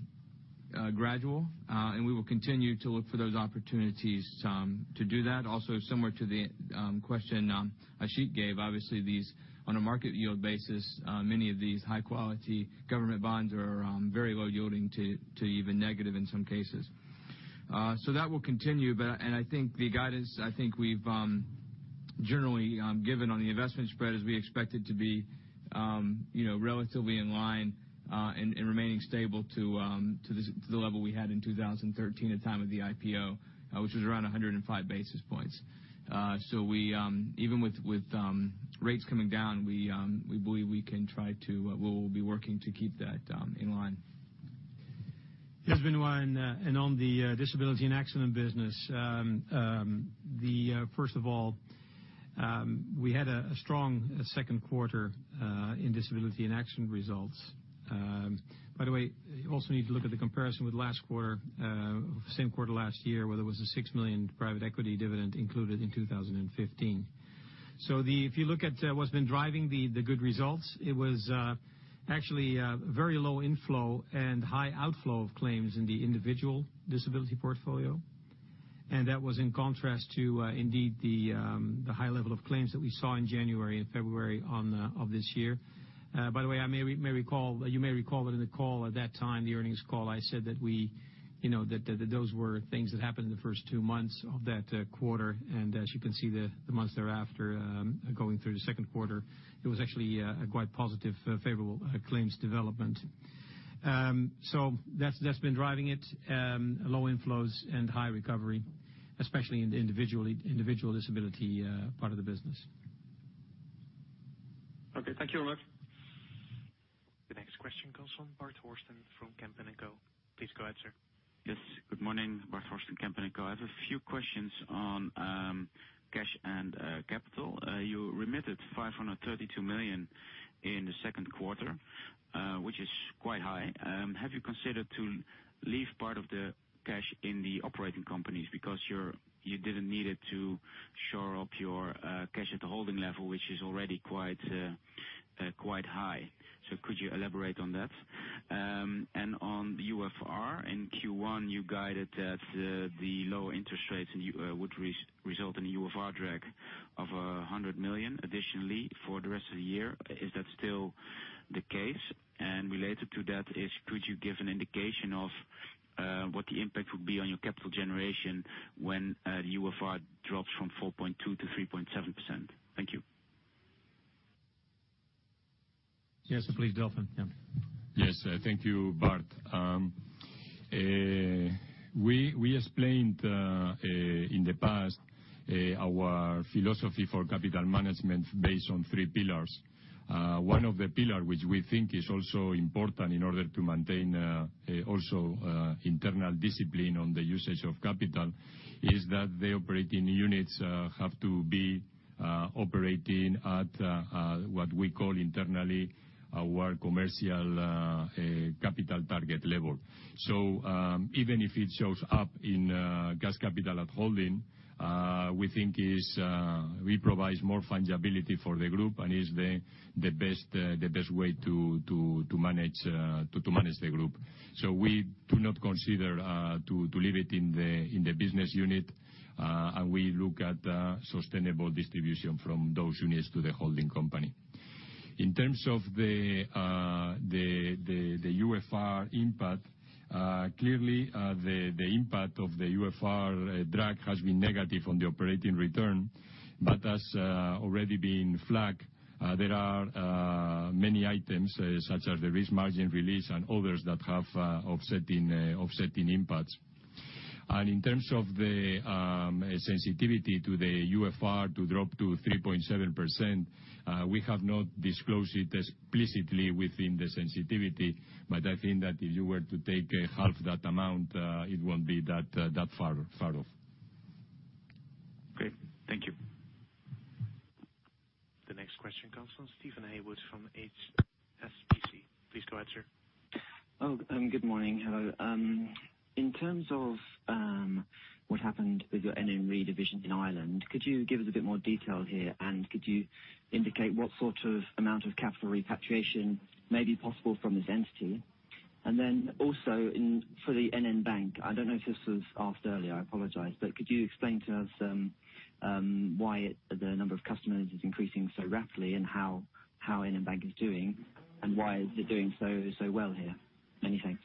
gradual, and we will continue to look for those opportunities to do that. Also, similar to the question Ashik gave, obviously on a market yield basis, many of these high quality government bonds are very low yielding to even negative in some cases. That will continue. I think the guidance, I think we've generally given on the investment spread as we expect it to be relatively in line and remaining stable to the level we had in 2013 at the time of the IPO, which was around 105 basis points. Even with rates coming down, we believe we will be working to keep that in line. Yes, Benoît, on the disability and accident business. First of all, we had a strong second quarter in disability and accident results. By the way, you also need to look at the comparison with last quarter, same quarter last year, where there was a 6 million private equity dividend included in 2015. If you look at what's been driving the good results, it was actually a very low inflow and high outflow of claims in the individual disability portfolio. That was in contrast to, indeed, the high level of claims that we saw in January and February of this year. By the way, you may recall that in the call at that time, the earnings call, I said that those were things that happened in the first two months of that quarter. As you can see, the months thereafter, going through the second quarter, it was actually a quite positive, favorable claims development. That's been driving it. Low inflows and high recovery, especially in the individual disability part of the business. Okay. Thank you very much. The next question comes from Bart Horsten from Kempen & Co. Please go ahead, sir. Yes. Good morning. Bart Horsten, Kempen & Co. I have a few questions on cash and capital. You remitted 532 million in the second quarter, which is quite high. Have you considered to leave part of the cash in the operating companies because you didn't need it to shore up your cash at the holding level, which is already quite high. Could you elaborate on that? On UFR, in Q1, you guided that the lower interest rates would result in a UFR drag of 100 million additionally for the rest of the year. Is that still the case? Related to that is could you give an indication of what the impact would be on your capital generation when the UFR drops from 4.2% to 3.7%? Thank you. Yes, please, Delfin. Yeah. Yes. Thank you, Bart. We explained in the past our philosophy for capital management based on three pillars. One of the pillar, which we think is also important in order to maintain also internal discipline on the usage of capital, is that the operating units have to be operating at what we call internally our commercial capital target level. Even if it shows up in cash capital at holding, we think it provides more fungibility for the group and is the best way to manage the group. We do not consider to leave it in the business unit. We look at sustainable distribution from those units to the holding company. In terms of the UFR impact, clearly, the impact of the UFR drag has been negative on the operating return, has already been flagged. There are many items, such as the risk margin release and others that have offsetting impacts. In terms of the sensitivity to the UFR to drop to 3.7%, we have not disclosed it explicitly within the sensitivity. I think that if you were to take half that amount, it won't be that far off. Great. Thank you. The next question comes from Steven Haywood from HSBC. Please go ahead, sir. Good morning. Hello. In terms of what happened with your NN Re division in Ireland, could you give us a bit more detail here, and could you indicate what sort of amount of capital repatriation may be possible from this entity? Also for the NN Bank, I don't know if this was asked earlier, I apologize. Could you explain to us why the number of customers is increasing so rapidly, and how NN Bank is doing, and why is it doing so well here? Many thanks.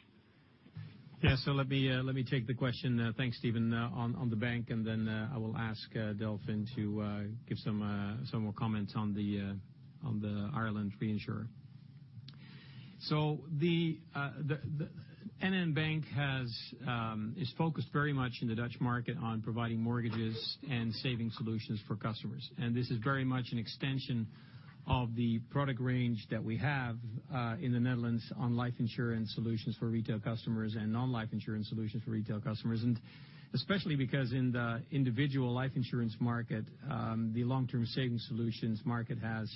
Let me take the question, thanks, Steven, on the bank, then I will ask Delfin to give some more comments on the Ireland reinsurer. The NN Bank is focused very much in the Dutch market on providing mortgages and saving solutions for customers. This is very much an extension of the product range that we have in the Netherlands on life insurance solutions for retail customers and non-life insurance solutions for retail customers. Especially because in the individual life insurance market, the long-term savings solutions market has,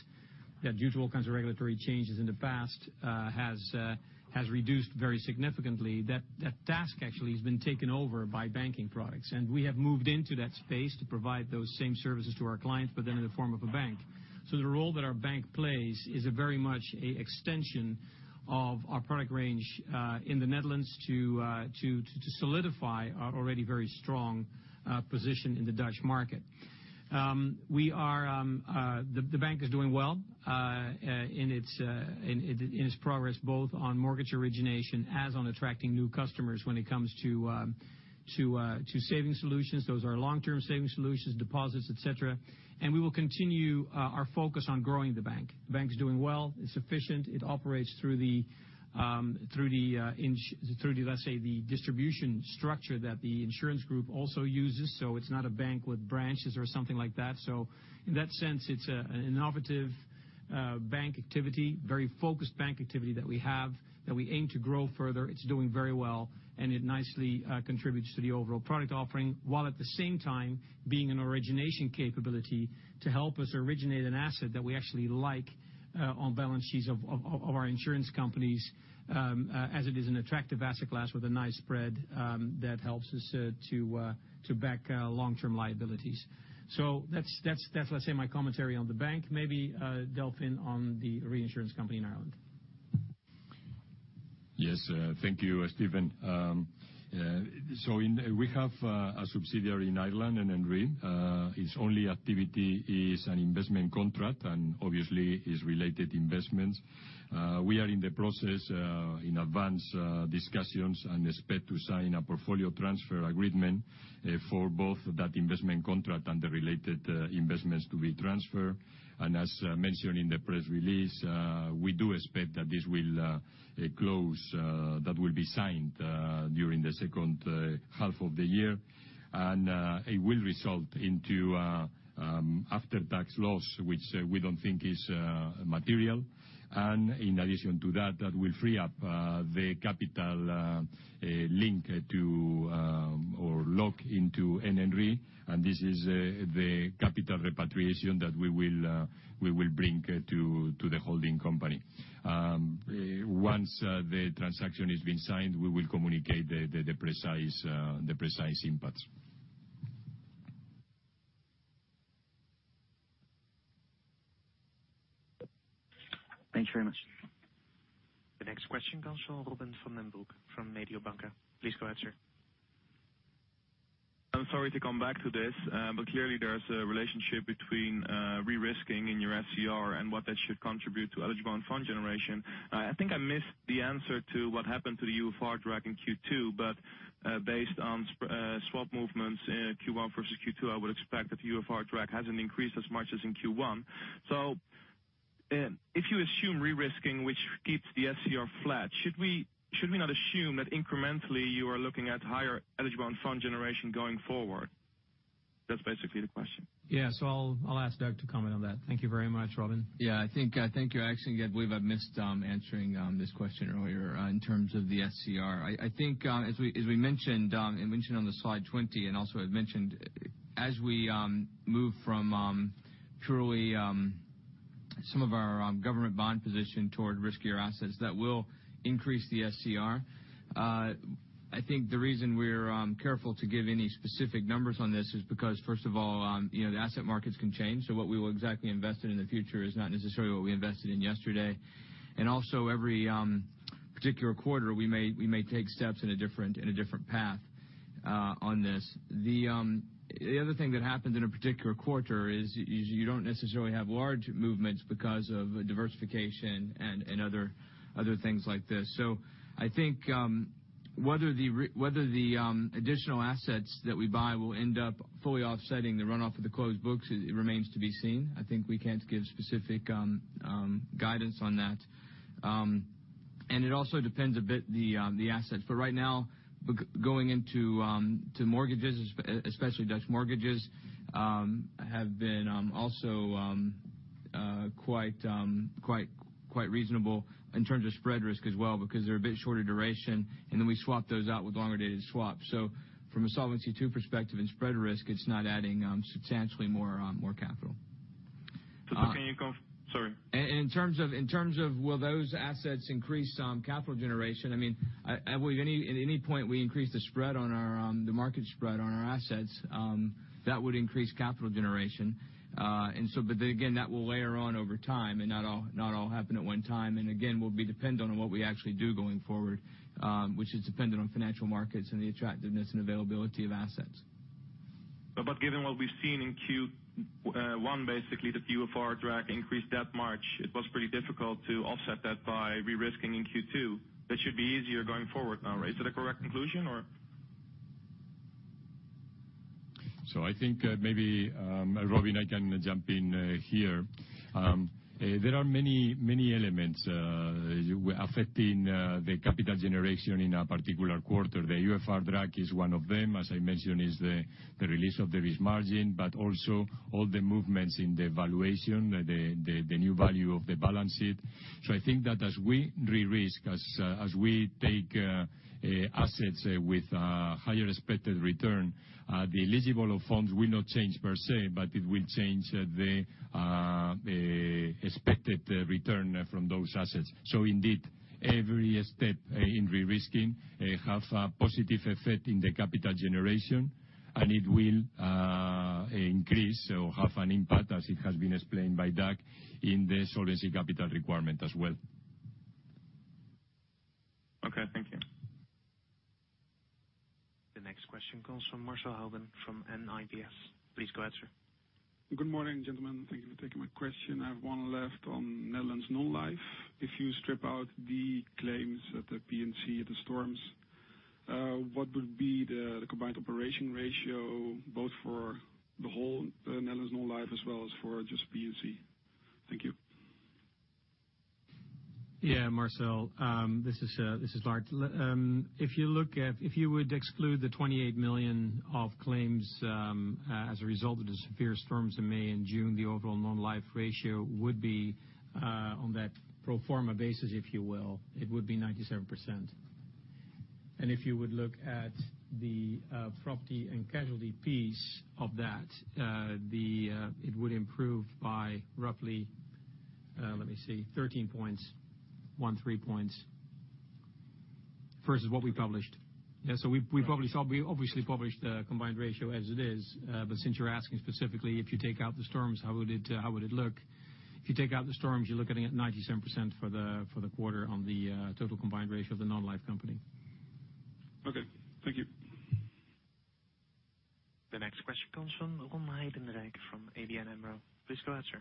due to all kinds of regulatory changes in the past, has reduced very significantly. That task actually has been taken over by banking products. We have moved into that space to provide those same services to our clients, but then in the form of a bank. The role that our bank plays is very much an extension of our product range, in the Netherlands to solidify our already very strong position in the Dutch market. The bank is doing well, in its progress, both on mortgage origination as on attracting new customers when it comes to saving solutions. Those are long-term saving solutions, deposits, et cetera. We will continue our focus on growing the bank. The bank's doing well. It's efficient. It operates through, let's say, the distribution structure that the insurance group also uses. It's not a bank with branches or something like that. In that sense, it's an innovative bank activity, very focused bank activity that we have, that we aim to grow further. It's doing very well, and it nicely contributes to the overall product offering. While at the same time being an origination capability to help us originate an asset that we actually like on balance sheets of our insurance companies, as it is an attractive asset class with a nice spread that helps us to back long-term liabilities. That's, let's say, my commentary on the bank. Maybe Delfin on the reinsurance company in Ireland. Yes. Thank you, Steven. We have a subsidiary in Ireland, NN Re. Its only activity is an investment contract and obviously its related investments. We are in the process, in advance discussions and expect to sign a portfolio transfer agreement for both that investment contract and the related investments to be transferred. As mentioned in the press release, we do expect that this will close, that will be signed during the second half of the year. It will result into after-tax loss, which we don't think is material. In addition to that will free up the capital link to, or lock into NN Re. This is the capital repatriation that we will bring to the holding company. Once the transaction has been signed, we will communicate the precise impacts. Thanks very much. The next question comes from Robin van den Broek from Mediobanca. Please go ahead, sir. I'm sorry to come back to this. Clearly, there's a relationship between re-risking in your SCR and what that should contribute to eligible fund generation. I think I missed the answer to what happened to the UFR drag in Q2. Based on swap movements in Q1 versus Q2, I would expect that the UFR drag hasn't increased as much as in Q1. If you assume re-risking, which keeps the SCR flat, should we not assume that incrementally you are looking at higher eligible and fund generation going forward? That's basically the question. Yeah. I'll ask Doug to comment on that. Thank you very much, Robin. Yeah, I believe I missed answering this question earlier in terms of the SCR. I think, as we mentioned on slide 20, and also I've mentioned, as we move from purely some of our government bond position toward riskier assets, that will increase the SCR. I think the reason we're careful to give any specific numbers on this is because, first of all, the asset markets can change. What we will exactly invest in in the future is not necessarily what we invested in yesterday. Also every particular quarter, we may take steps in a different path on this. The other thing that happens in a particular quarter is you don't necessarily have large movements because of diversification and other things like this. I think whether the additional assets that we buy will end up fully offsetting the runoff of the closed books, it remains to be seen. I think we can't give specific guidance on that. It also depends a bit the assets. Right now, going into mortgages, especially Dutch mortgages, have been also quite reasonable in terms of spread risk as well, because they're a bit shorter duration, and then we swap those out with longer-dated swaps. From a Solvency II perspective in spread risk, it's not adding substantially more capital. Can you Sorry. In terms of will those assets increase capital generation, at any point, we increase the market spread on our assets, that would increase capital generation. Again, that will layer on over time and not all happen at one time. Again, will be dependent on what we actually do going forward, which is dependent on financial markets and the attractiveness and availability of assets. Given what we've seen in Q1, basically the UFR drag increased that March, it was pretty difficult to offset that by re-risking in Q2. That should be easier going forward now, right? Is that a correct conclusion, or? I think maybe, Robin, I can jump in here. There are many elements affecting the capital generation in a particular quarter. The UFR drag is one of them, as I mentioned, is the release of the risk margin, but also all the movements in the valuation, the new value of the balance sheet. I think that as we re-risk, as we take assets with a higher expected return, the eligible of funds will not change per se, but it will change the expected return from those assets. Indeed, every step in re-risking have a positive effect in the capital generation, and it will increase or have an impact, as it has been explained by Doug, in the solvency capital requirement as well. Okay, thank you. The next question comes from Marcell Houben from NIBC. Please go ahead, sir. Good morning, gentlemen. Thank you for taking my question. I have one left on Netherlands Non-Life. If you strip out the claims at the P&C of the storms, what would be the combined operation ratio, both for the whole Netherlands Non-Life as well as for just P&C? Thank you. Yeah, Marcell. This is Lard. If you would exclude the 28 million of claims as a result of the severe storms in May and June, the overall Non-Life ratio would be, on that pro forma basis, if you will, it would be 97%. If you would look at the property and casualty piece of that, it would improve by roughly, let me see, 13 points, one, three points versus what we published. Yeah, we obviously published the combined ratio as it is. Since you're asking specifically, if you take out the storms, how would it look? If you take out the storms, you're looking at 97% for the quarter on the total combined ratio of the Non-Life company. Okay. Thank you. The next question comes from Ron Heijdenrijk from ABN AMRO. Please go ahead, sir.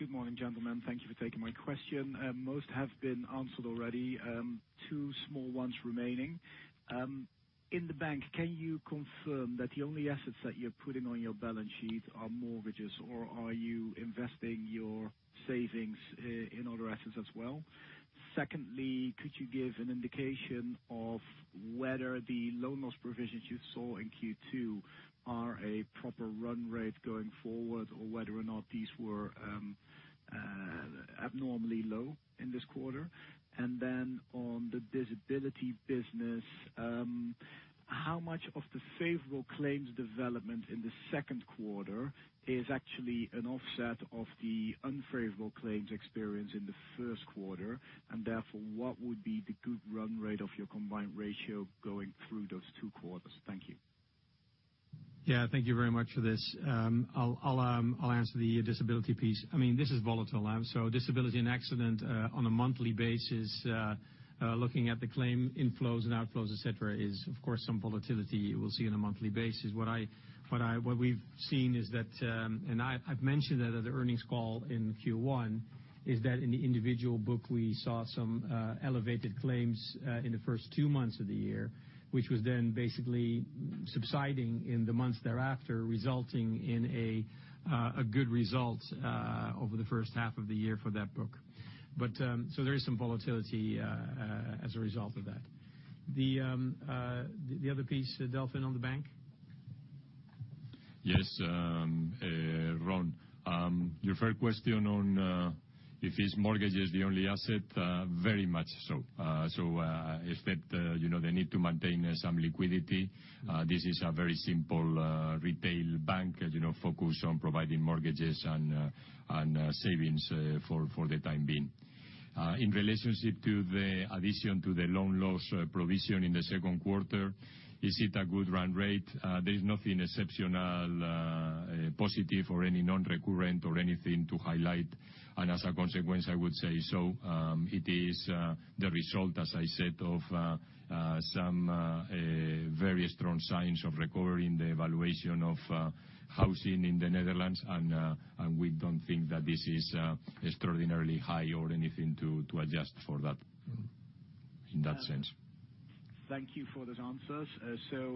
Good morning, gentlemen. Thank you for taking my question. Most have been answered already. Two small ones remaining. In the bank, can you confirm that the only assets that you're putting on your balance sheet are mortgages, or are you investing your savings in other assets as well? Secondly, could you give an indication of whether the loan loss provisions you saw in Q2 are a proper run rate going forward or whether or not these were abnormally low in this quarter? And then on the disability business, how much of the favorable claims development in the second quarter is actually an offset of the unfavorable claims experience in the first quarter? And therefore, what would be the good run rate of your combined ratio going through those two quarters? Thank you. Yeah, thank you very much for this. I'll answer the disability piece. This is volatile. Disability and accident on a monthly basis, looking at the claim inflows and outflows, et cetera, is of course some volatility we'll see on a monthly basis. What we've seen is that, and I've mentioned that at the earnings call in Q1, in the individual book, we saw some elevated claims in the first two months of the year, which was then basically subsiding in the months thereafter, resulting in a good result over the first half of the year for that book. There is some volatility as a result of that. The other piece, Delfin, on the bank? Yes, Ron. Your first question on if this mortgage is the only asset, very much so. Except, they need to maintain some liquidity. This is a very simple retail bank, focused on providing mortgages and savings for the time being. In relationship to the addition to the loan loss provision in the second quarter, is it a good run rate? There is nothing exceptional, positive or any non-recurrent or anything to highlight. As a consequence, I would say so. It is the result, as I said, of some very strong signs of recovery in the valuation of housing in the Netherlands. We don't think that this is extraordinarily high or anything to adjust for that, in that sense. Thank you for those answers.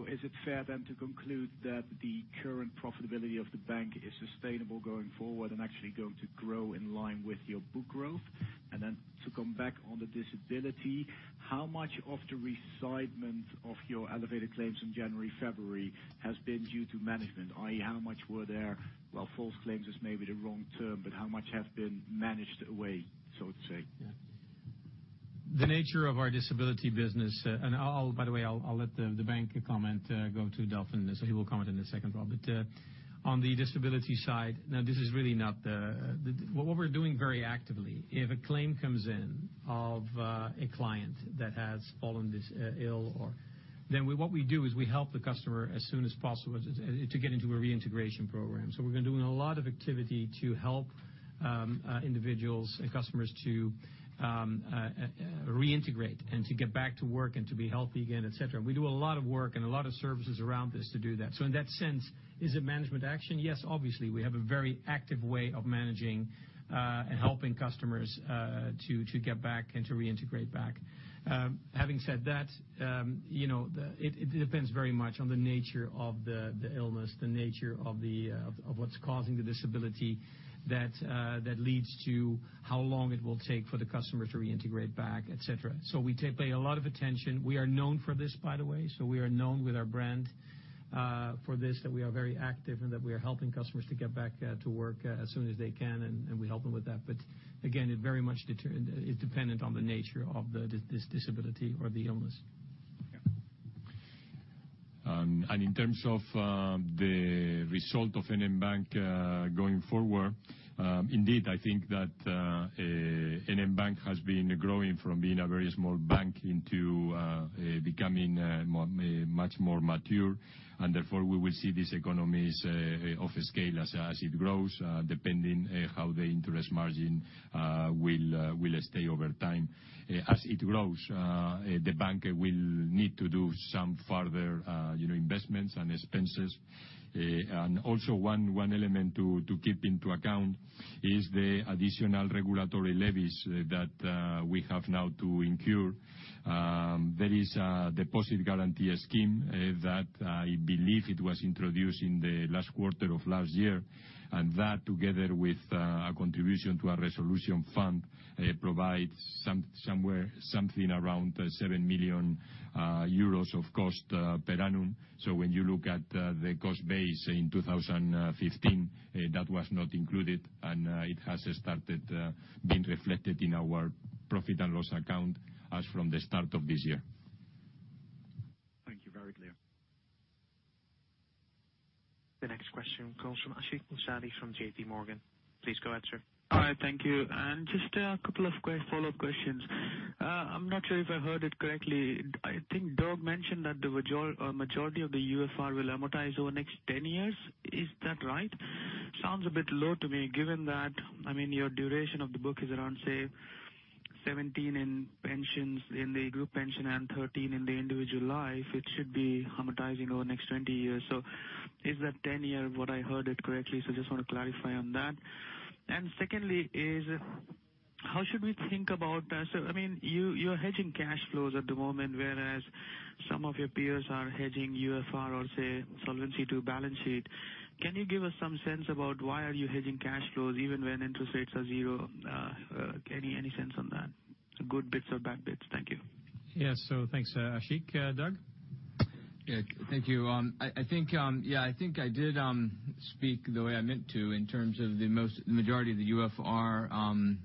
Is it fair then to conclude that the current profitability of the bank is sustainable going forward and actually going to grow in line with your book growth? To come back on the disability, how much of the resignment of your elevated claims in January, February has been due to management? i.e., how much were there, well, false claims is maybe the wrong term, but how much has been managed away, so to say? The nature of our disability business, by the way, I'll let the bank comment go to Delfin. He will comment in a second, Ron. On the disability side, now, this is really not What we're doing very actively, if a claim comes in of a client that has fallen ill, then what we do is we help the customer as soon as possible to get into a reintegration program. We've been doing a lot of activity to help individuals and customers to reintegrate and to get back to work and to be healthy again, et cetera. We do a lot of work and a lot of services around this to do that. In that sense, is it management action? Yes, obviously. We have a very active way of managing and helping customers to get back and to reintegrate back. Having said that it depends very much on the nature of the illness, the nature of what's causing the disability that leads to how long it will take for the customer to reintegrate back, et cetera. We pay a lot of attention. We are known for this, by the way. We are known with our brand for this, that we are very active and that we are helping customers to get back to work as soon as they can, and we help them with that. Again, it very much is dependent on the nature of this disability or the illness. In terms of the result of NN Bank going forward, indeed, I think that NN Bank has been growing from being a very small bank into becoming much more mature. Therefore, we will see these economies of scale as it grows, depending how the interest margin will stay over time. As it grows, the bank will need to do some further investments and expenses. Also one element to keep into account is the additional regulatory levies that we have now to incur. There is a deposit guarantee scheme that I believe it was introduced in the last quarter of last year. That, together with a contribution to a resolution fund, provides something around 7 million euros of cost per annum. When you look at the cost base in 2015, that was not included, and it has started being reflected in our profit and loss account as from the start of this year. Thank you. Very clear. The next question comes from Ashik Musaddi from J.P. Morgan. Please go ahead, sir. Hi. Thank you. Just a couple of follow-up questions. I am not sure if I heard it correctly. I think Doug mentioned that the majority of the UFR will amortize over the next 10 years. Is that right? Sounds a bit low to me, given that your duration of the book is around, say, 17 in pensions, in the group pension, and 13 in the individual life. It should be amortizing over the next 20 years. Is that 10 year what I heard it correctly? Just want to clarify on that. Secondly is, how should we think about You are hedging cash flows at the moment, whereas some of your peers are hedging UFR or say, Solvency II balance sheet. Can you give us some sense about why are you hedging cash flows even when interest rates are zero? Any sense on that? Good bits or bad bits? Thank you. Thanks, Ashik. Doug? Thank you. I think I did speak the way I meant to in terms of the majority of the UFR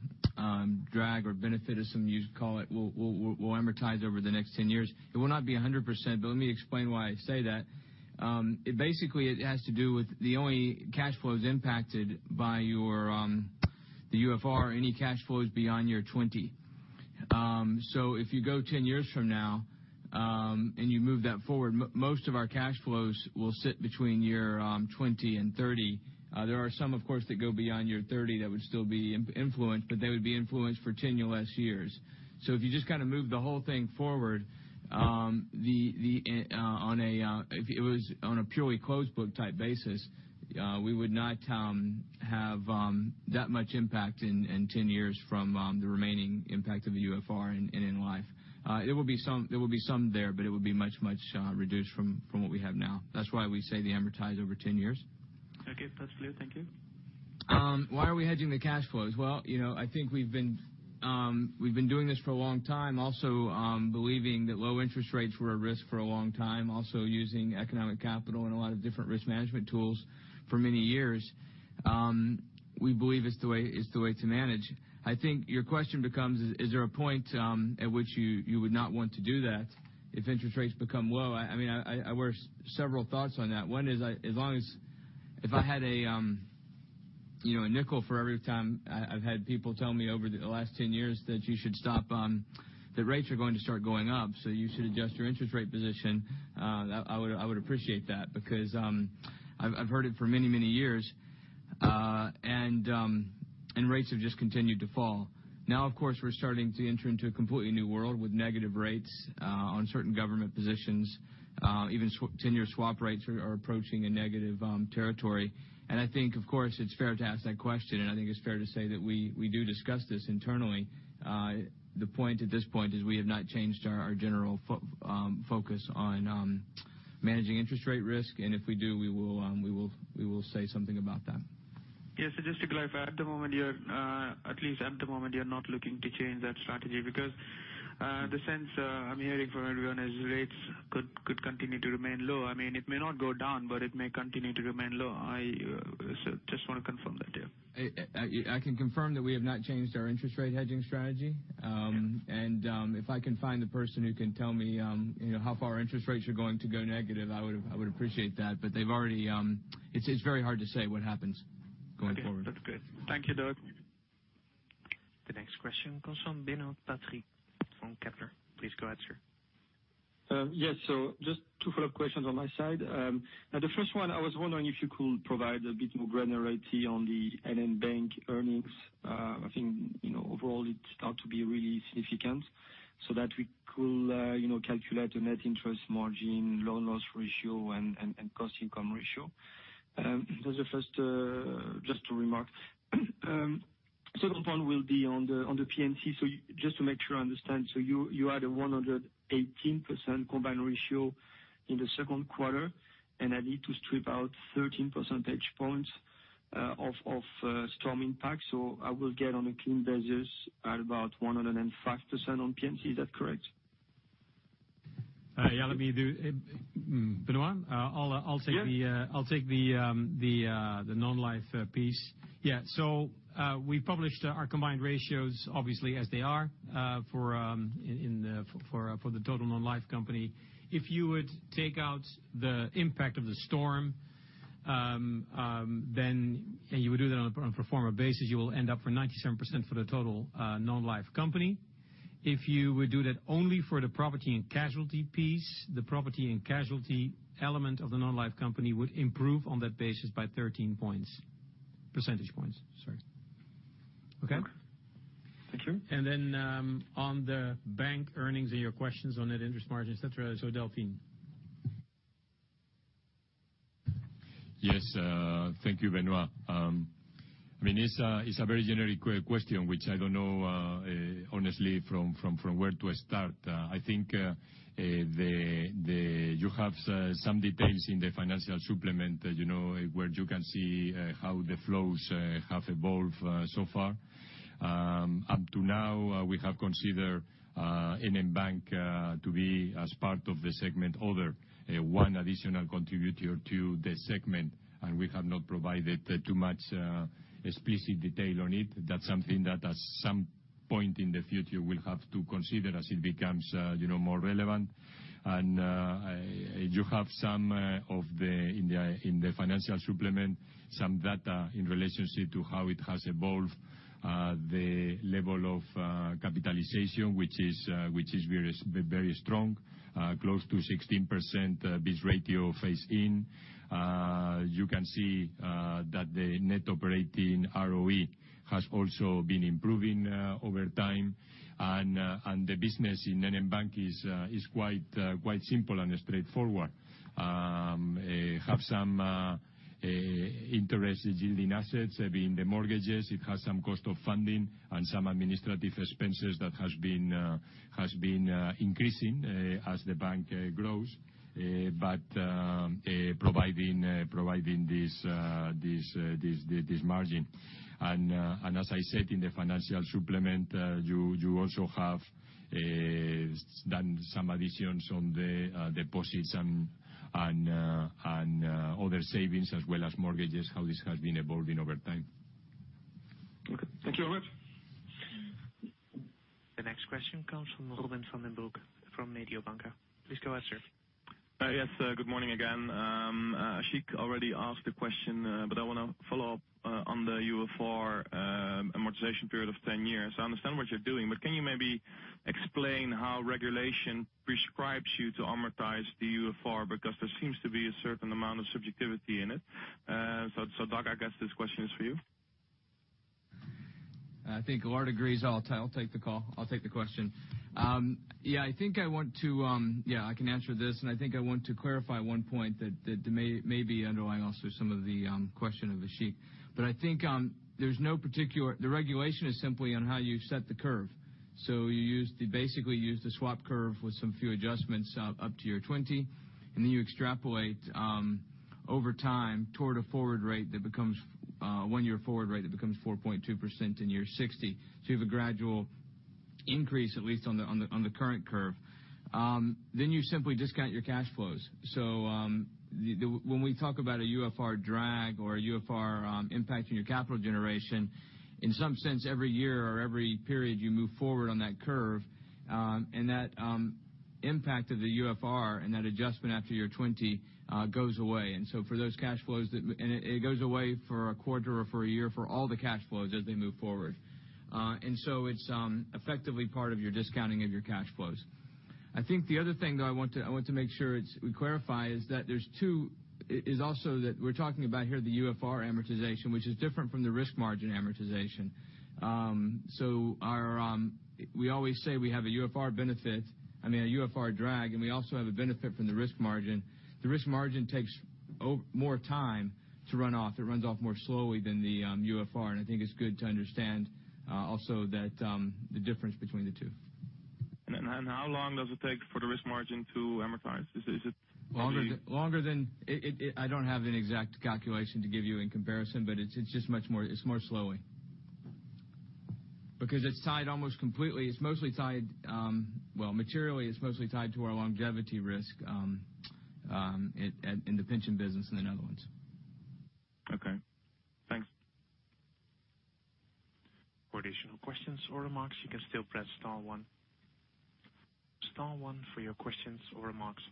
drag or benefit, as some of you call it, will amortize over the next 10 years. It will not be 100%, but let me explain why I say that. Basically, it has to do with the only cash flows impacted by the UFR, any cash flows beyond year 20. If you go 10 years from now you move that forward. Most of our cash flows will sit between year 20 and 30. There are some, of course, that go beyond year 30 that would still be influenced, but they would be influenced for 10 less years. If you just move the whole thing forward, if it was on a purely closed book type basis, we would not have that much impact in 10 years from the remaining impact of the UFR and in life. There will be some there, but it would be much reduced from what we have now. That's why we say they amortize over 10 years. Okay, that's clear. Thank you. Why are we hedging the cash flows? Well, I think we've been doing this for a long time. Also, believing that low interest rates were a risk for a long time. Also, using economic capital and a lot of different risk management tools for many years. We believe it's the way to manage. I think your question becomes, is there a point at which you would not want to do that if interest rates become low? I mean, there were several thoughts on that. One is, if I had a nickel for every time I've had people tell me over the last 10 years that rates are going to start going up, so you should adjust your interest rate position, I would appreciate that, because I've heard it for many years, and rates have just continued to fall. Now, of course, we're starting to enter into a completely new world with negative rates on certain government positions. Even 10-year swap rates are approaching a negative territory. I think, of course, it's fair to ask that question, and I think it's fair to say that we do discuss this internally. The point at this point is we have not changed our general focus on managing interest rate risk. If we do, we will say something about that. Yes. Just to clarify, at least at the moment, you are not looking to change that strategy because the sense I'm hearing from everyone is rates could continue to remain low. I mean, it may not go down, but it may continue to remain low. I just want to confirm that, yeah. I can confirm that we have not changed our interest rate hedging strategy. Yes. If I can find the person who can tell me how far interest rates are going to go negative, I would appreciate that. It's very hard to say what happens going forward. Okay. That's good. Thank you, Doug. The next question comes from Benoît Pétrarque of Kepler. Please go ahead, sir. Yes. Just two follow-up questions on my side. The first one, I was wondering if you could provide a bit more granularity on the NN Bank earnings. I think, overall, it starts to be really significant, so that we could calculate the net interest margin, loan loss ratio and cost income ratio. That's the first, just to remark. Second one will be on the P&C. Just to make sure I understand. You had a 118% combined ratio in the second quarter, and I need to strip out 13 percentage points of storm impact. I will get on a clean basis at about 105% on P&C. Is that correct? Yeah. Benoît, I'll take. Yeah the non-life piece. Yeah. We published our combined ratios, obviously, as they are for the total non-life company. If you would take out the impact of the storm, and you would do that on a pro forma basis, you will end up with 97% for the total non-life company. If you would do that only for the property and casualty piece, the property and casualty element of the non-life company would improve on that basis by 13 points. Percentage points, sorry. Okay? Thank you. On the bank earnings and your questions on net interest margin, et cetera, Delfin. Yes. Thank you, Benoît. I mean, it's a very generic question, which I don't know, honestly, from where to start. I think you have some details in the financial supplement, where you can see how the flows have evolved so far. Up to now, we have considered NN Bank to be as part of the segment other. One additional contributor to the segment, and we have not provided too much explicit detail on it. That's something that at some point in the future, we'll have to consider as it becomes more relevant. You have some in the financial supplement, some data in relationship to how it has evolved, the level of capitalization, which is very strong. Close to 16% BIS ratio Phase 1. You can see that the net operating ROE has also been improving over time. The business in NN Bank is quite simple and straightforward. It has some interest yielding assets, being the mortgages. It has some cost of funding and some administrative expenses that has been increasing as the bank grows, providing this margin. As I said in the financial supplement, you also have done some additions on the deposits and other savings as well as mortgages, how this has been evolving over time. Okay. Thank you very much. The next question comes from Robin van den Broek, from Mediobanca. Please go ahead, sir. Yes. Good morning again. Ashik already asked the question, but I want to follow up on the UFR amortization period of 10 years. I understand what you're doing, but can you maybe explain how regulation prescribes you to amortize the UFR? Because there seems to be a certain amount of subjectivity in it. Doug, I guess this question is for you. I think Lars agrees. I'll take the call. I'll take the question. I can answer this, and I think I want to clarify one point that may be underlying also some of the question of Ashik. I think the regulation is simply on how you set the curve. You basically use the swap curve with some few adjustments up to year 20, and then you extrapolate over time toward a one-year forward rate that becomes 4.2% in year 60. You have a gradual increase, at least on the current curve. You simply discount your cash flows. When we talk about a UFR drag or a UFR impacting your capital generation, in some sense, every year or every period, you move forward on that curve. And that impact of the UFR and that adjustment after year 20 goes away. It goes away for a quarter or for a year for all the cash flows as they move forward. It's effectively part of your discounting of your cash flows. I think the other thing, though, I want to make sure we clarify is also that we're talking about here the UFR amortization, which is different from the risk margin amortization. We always say we have a UFR drag, and we also have a benefit from the risk margin. The risk margin takes more time to run off. It runs off more slowly than the UFR, and I think it's good to understand also the difference between the two. How long does it take for the risk margin to amortize? I don't have an exact calculation to give you in comparison, it's more slowly. It's mostly tied, well, materially, it's mostly tied to our longevity risk in the pension business in the Netherlands. Okay. Thanks. For additional questions or remarks, you can still press star one. Star one for your questions or remarks.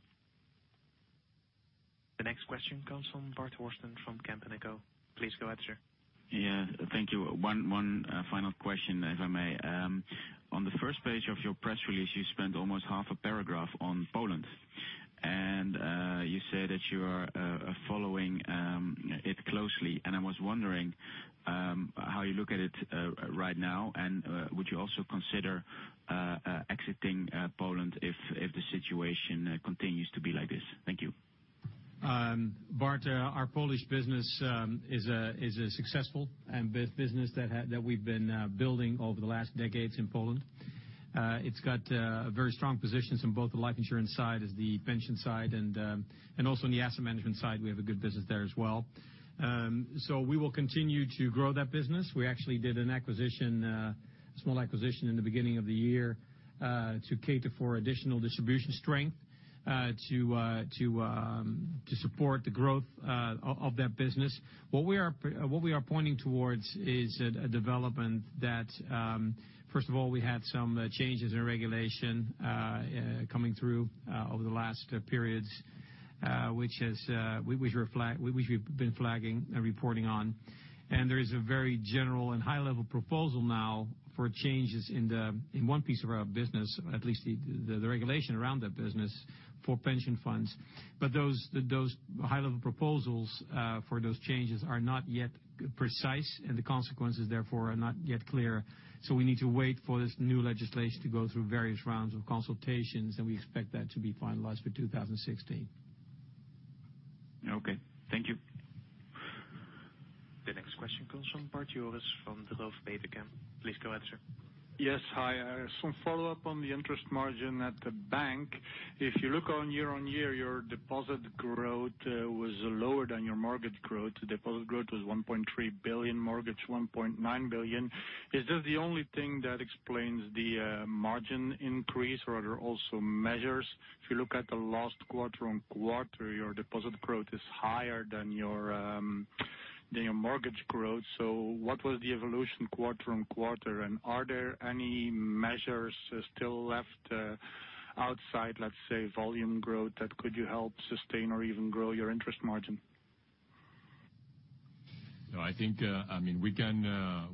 The next question comes from Bart Horsten from Kempen & Co. Please go ahead, sir. Yeah. Thank you. One final question, if I may. On the first page of your press release, you spent almost half a paragraph on Poland, you said that you are following it closely. I was wondering how you look at it right now, and would you also consider exiting Poland if the situation continues to be like this? Thank you. Bart, our Polish business is a successful business that we've been building over the last decades in Poland. It's got very strong positions in both the life insurance side as the pension side, and also in the asset management side, we have a good business there as well. We will continue to grow that business. We actually did a small acquisition in the beginning of the year to cater for additional distribution strength to support the growth of that business. What we are pointing towards is a development that, first of all, we had some changes in regulation coming through over the last periods, which we've been flagging and reporting on. There is a very general and high-level proposal now for changes in one piece of our business, at least the regulation around that business, for pension funds. Those high-level proposals for those changes are not yet precise, and the consequences, therefore, are not yet clear. We need to wait for this new legislation to go through various rounds of consultations, and we expect that to be finalized for 2016. Okay. Thank you. The next question comes from Bart Jooris from Degroof Petercam. Please go ahead, sir. Yes. Hi. Some follow-up on the interest margin at the bank. If you look on year-on-year, your deposit growth was lower than your mortgage growth. Deposit growth was 1.3 billion, mortgage 1.9 billion. Is this the only thing that explains the margin increase, or are there also measures? If you look at the last quarter-on-quarter, your deposit growth is higher than your mortgage growth. What was the evolution quarter-on-quarter, and are there any measures still left outside, let's say, volume growth, that could help sustain or even grow your interest margin? I think we can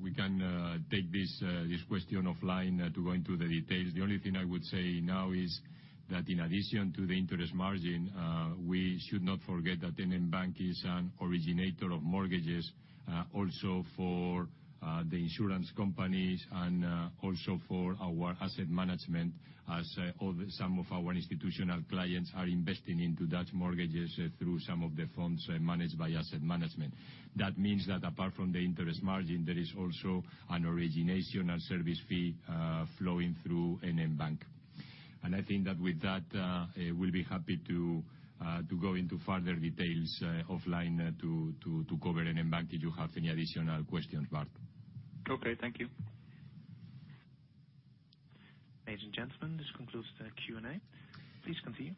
take this question offline to go into the details. The only thing I would say now is that in addition to the interest margin, we should not forget that NN Bank is an originator of mortgages also for the insurance companies and also for our asset management, as some of our institutional clients are investing into Dutch mortgages through some of the funds managed by asset management. That means that apart from the interest margin, there is also an origination and service fee flowing through NN Bank. I think that with that, we'll be happy to go into further details offline to cover NN Bank if you have any additional questions, Bart. Okay. Thank you. Ladies and gentlemen, this concludes the Q&A. Please continue.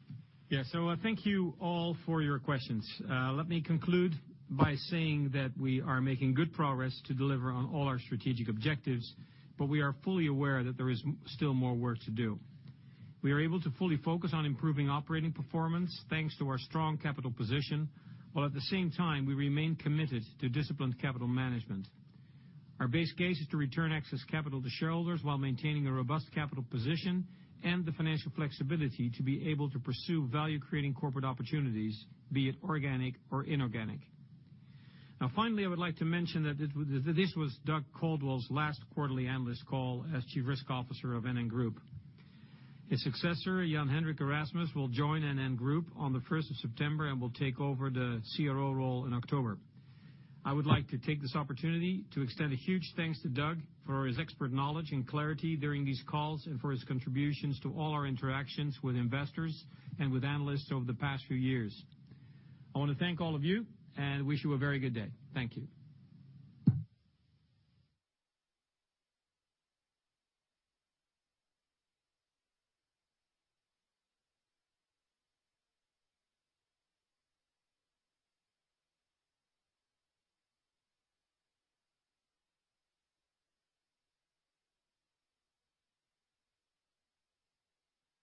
Thank you all for your questions. Let me conclude by saying that we are making good progress to deliver on all our strategic objectives. We are fully aware that there is still more work to do. We are able to fully focus on improving operating performance, thanks to our strong capital position, while at the same time, we remain committed to disciplined capital management. Our base case is to return excess capital to shareholders while maintaining a robust capital position and the financial flexibility to be able to pursue value-creating corporate opportunities, be it organic or inorganic. Finally, I would like to mention that this was Doug Caldwell's last quarterly analyst call as Chief Risk Officer of NN Group. His successor, Jan-Hendrik Erasmus, will join NN Group on the 1st of September and will take over the CRO role in October. I would like to take this opportunity to extend a huge thanks to Doug for his expert knowledge and clarity during these calls and for his contributions to all our interactions with investors and with analysts over the past few years. I want to thank all of you and wish you a very good day. Thank you.